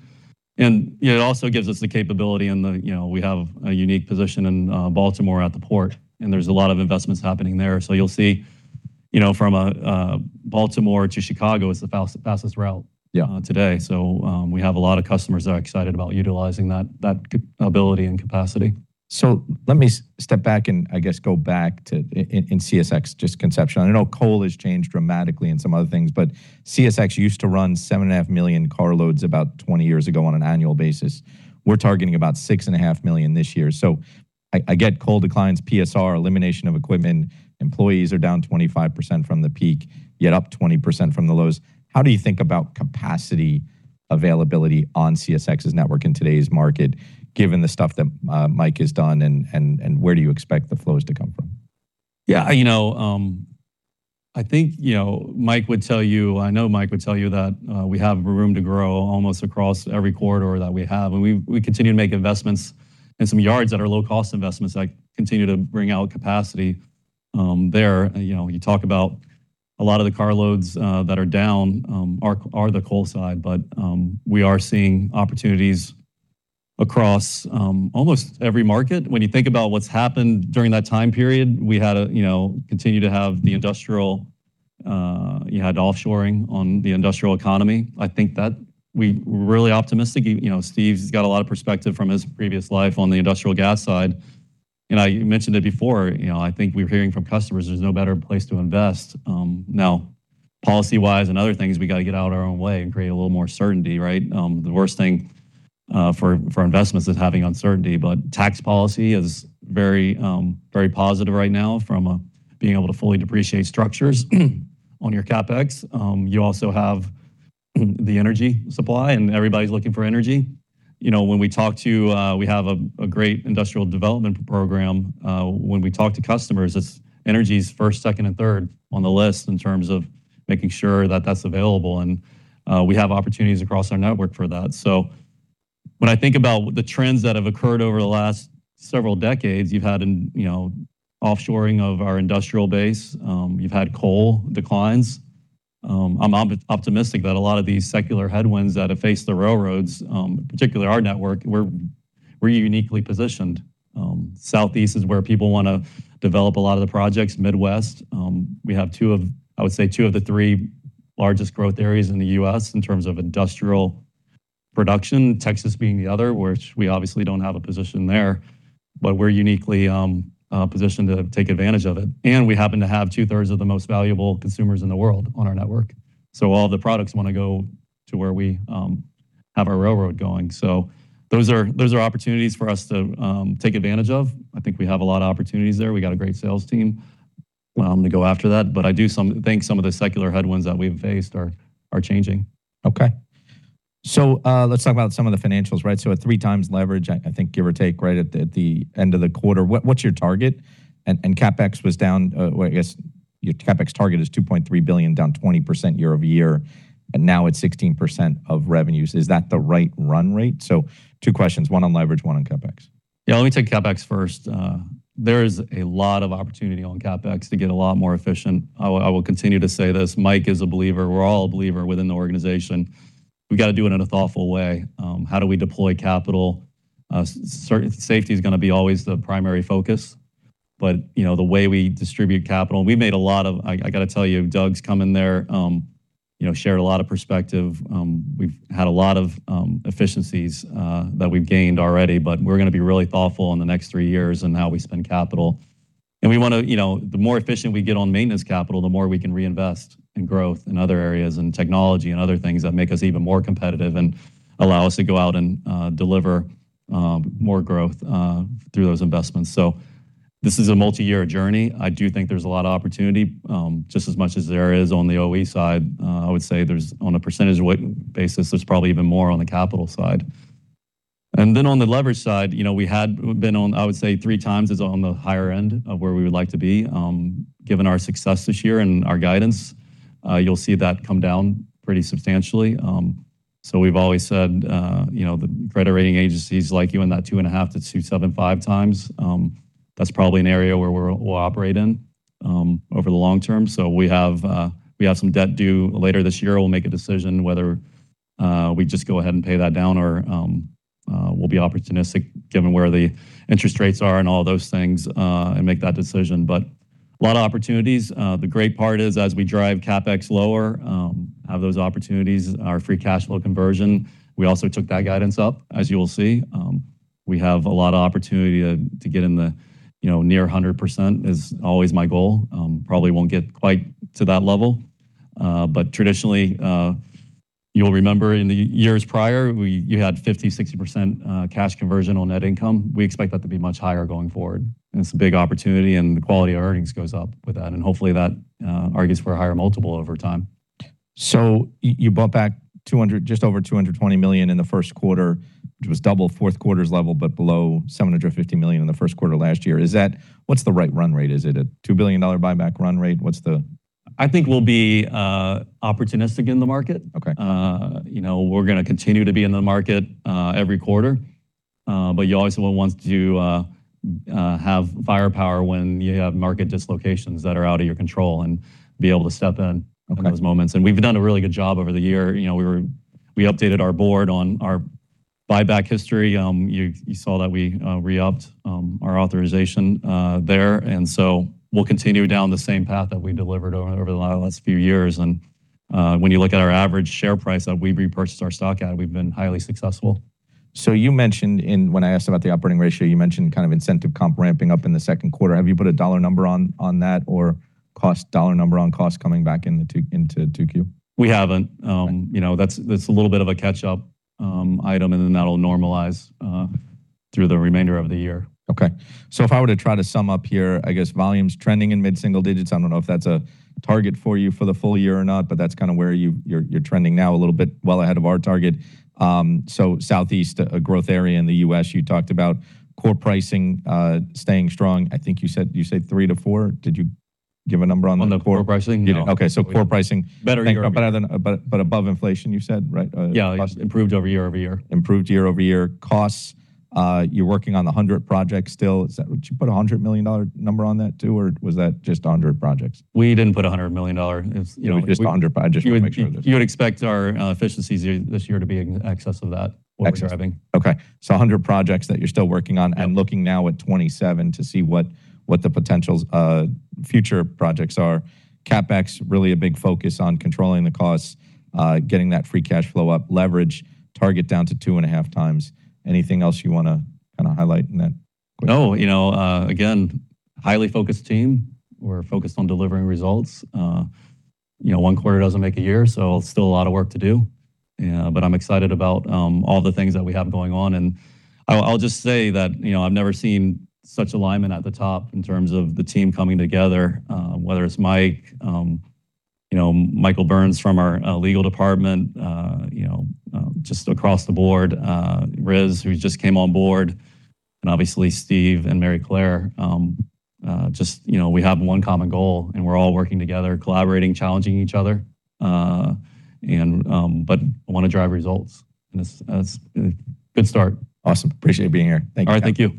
D: You know, it also gives us the capability and, you know, we have a unique position in Baltimore at the port, and there's a lot of investments happening there. You'll see, you know, from Baltimore to Chicago is the fastest route.
A: Yeah.
D: today. We have a lot of customers that are excited about utilizing that ability and capacity.
A: Let me step back and, I guess, go back to in CSX just conception. I know coal has changed dramatically and some other things, but CSX used to run 7.5 million carloads about 20 years ago on an annual basis. We're targeting about 6.5 million this year. I get coal declines, PSR, elimination of equipment, employees are down 25% from the peak, yet up 20% from the lows. How do you think about capacity availability on CSX's network in today's market, given the stuff that Mike has done, and where do you expect the flows to come from?
D: Yeah, you know, I think, you know, Mike would tell you, I know Mike would tell you that we have room to grow almost across every corridor that we have. We continue to make investments in some yards that are low-cost investments, like continue to wring out capacity there. You know, you talk about a lot of the carloads that are down are the coal side. We are seeing opportunities across almost every market. When you think about what's happened during that time period, we had a, you know, continue to have the industrial, you had offshoring on the industrial economy. I think that we're really optimistic. You, you know, Steve's got a lot of perspective from his previous life on the industrial gas side. I mentioned it before, you know, I think we're hearing from customers there's no better place to invest. Now policy-wise and other things, we got to get out of our own way and create a little more certainty, right? The worst thing for investments is having uncertainty. Tax policy is very, very positive right now from a being able to fully depreciate structures on your CapEx. You also have the energy supply, and everybody's looking for energy. You know, when we talk to, we have a great industrial development program. When we talk to customers, it's energy's first, second, and third on the list in terms of making sure that that's available, and we have opportunities across our network for that. When I think about the trends that have occurred over the last several decades, you've had, you know, offshoring of our industrial base, you've had coal declines. I'm optimistic that a lot of these secular headwinds that have faced the railroads, particularly our network, we're uniquely positioned. Southeast is where people wanna develop a lot of the projects. Midwest, we have two of, I would say two of the three largest growth areas in the U.S. in terms of industrial production. Texas being the other, which we obviously don't have a position there, but we're uniquely positioned to take advantage of it. We happen to have two-thirds of the most valuable consumers in the world on our network. All the products wanna go to where we have our railroad going. Those are opportunities for us to take advantage of. I think we have a lot of opportunities there. We got a great sales team. I'm gonna go after that, but I do think some of the secular headwinds that we've faced are changing.
A: Let's talk about some of the financials, right? At 3x leverage, I think give or take right at the end of the quarter, what's your target? CapEx was down, I guess your CapEx target is 2.3 billion, down 20% year-over-year, and now it's 16% of revenues. Is that the right run rate? Two questions, one on leverage, one on CapEx.
D: Yeah, let me take CapEx first. There is a lot of opportunity on CapEx to get a lot more efficient. I will continue to say this. Mike is a believer. We're all a believer within the organization. We gotta do it in a thoughtful way. How do we deploy capital? Safety is gonna be always the primary focus. You know, the way we distribute capital. We've made a lot of, I gotta tell you, Doug's come in there, you know, shared a lot of perspective. We've had a lot of efficiencies that we've gained already, but we're gonna be really thoughtful in the next 3 years in how we spend capital. We wanna, you know, the more efficient we get on maintenance capital, the more we can reinvest in growth in other areas and technology and other things that make us even more competitive and allow us to go out and deliver more growth through those investments. This is a multi-year journey. I do think there's a lot of opportunity, just as much as there is on the OE side. I would say there's, on a percent weight basis, there's probably even more on the capital side. On the leverage side, you know, we had been on, I would say 3x is on the higher end of where we would like to be. Given our success this year and our guidance, you'll see that come down pretty substantially. We've always said, you know, the credit rating agencies like you in that 2.5x-2.75x. That's probably an area where we'll operate in over the long term. We have some debt due later this year. We'll make a decision whether we just go ahead and pay that down or we'll be opportunistic given where the interest rates are and all those things and make that decision. A lot of opportunities. The great part is, as we drive CapEx lower, have those opportunities, our free cash flow conversion, we also took that guidance up, as you will see. We have a lot of opportunity to get in the, you know, near 100% is always my goal. Probably won't get quite to that level. But traditionally, you'll remember in the years prior, you had 50%, 60% cash conversion on net income. We expect that to be much higher going forward. It's a big opportunity, and the quality of earnings goes up with that. Hopefully that argues for a higher multiple over time.
A: You bought back 200 million, just over 200 million in the first quarter, which was double fourth quarter's level, but below 750 million in the first quarter last year. What's the right run rate? Is it a CAD 2 billion buyback run rate?
D: I think we'll be opportunistic in the market.
A: Okay.
D: You know, we're gonna continue to be in the market every quarter. You always will want to have firepower when you have market dislocations that are out of your control and be able to step in.
A: Okay.
D: In those moments. We've done a really good job over the year. You know, we updated our board on our buyback history. You saw that we re-upped our authorization there. We'll continue down the same path that we delivered over the last few years. When you look at our average share price that we've repurchased our stock at, we've been highly successful.
A: You mentioned when I asked about the operating ratio, you mentioned kind of incentive comp ramping up in the second quarter. Have you put a CAD number on that or cost CAD number on cost coming back into 2Q?
D: We haven't. You know, that's a little bit of a catch-up item. That'll normalize through the remainder of the year.
A: Okay. If I were to try to sum up here, I guess volume's trending in mid-single digits. I don't know if that's a target for you for the full year or not, but that's kind of where you're trending now, a little bit well ahead of our target. Southeast, a growth area in the U.S., you talked about core pricing, staying strong. I think you said 3-4. Did you give a number on the core-
D: On the core pricing? No.
A: You don't. Okay. core pricing.
D: Better year-over-year.
A: Above inflation, you said, right?
D: Yeah. Improved over year-over-year.
A: Improved year-over-year. Costs, you're working on the 100 projects still. Would you put a 100 million dollar number on that too, or was that just 100 projects?
D: We didn't put 100 million dollars. It's, you know.
A: Just 100 projects just to make sure.
D: You would expect our efficiencies this year to be in excess of that.
A: Excess-
D: what we're driving.
A: Okay. 100 projects that you're still working on and looking now at 27 to see what the potential future projects are. CapEx, really a big focus on controlling the costs, getting that free cash flow up, leverage target down to 2.5x. Anything else you wanna kinda highlight in that quick?
D: No. You know, again, highly focused team. We're focused on delivering results. You know, one quarter doesn't make a year, so still a lot of work to do. I'm excited about all the things that we have going on. I'll just say that, you know, I've never seen such alignment at the top in terms of the team coming together, whether it's Mike, you know, Michael Burns from our legal department, you know, just across the board, Riz, who's just came on board, and obviously Steve and Maryclare. Just, you know, we have one common goal and we're all working together, collaborating, challenging each other. Wanna drive results, and it's a good start.
A: Awesome. Appreciate you being here. Thank you.
D: All right. Thank you.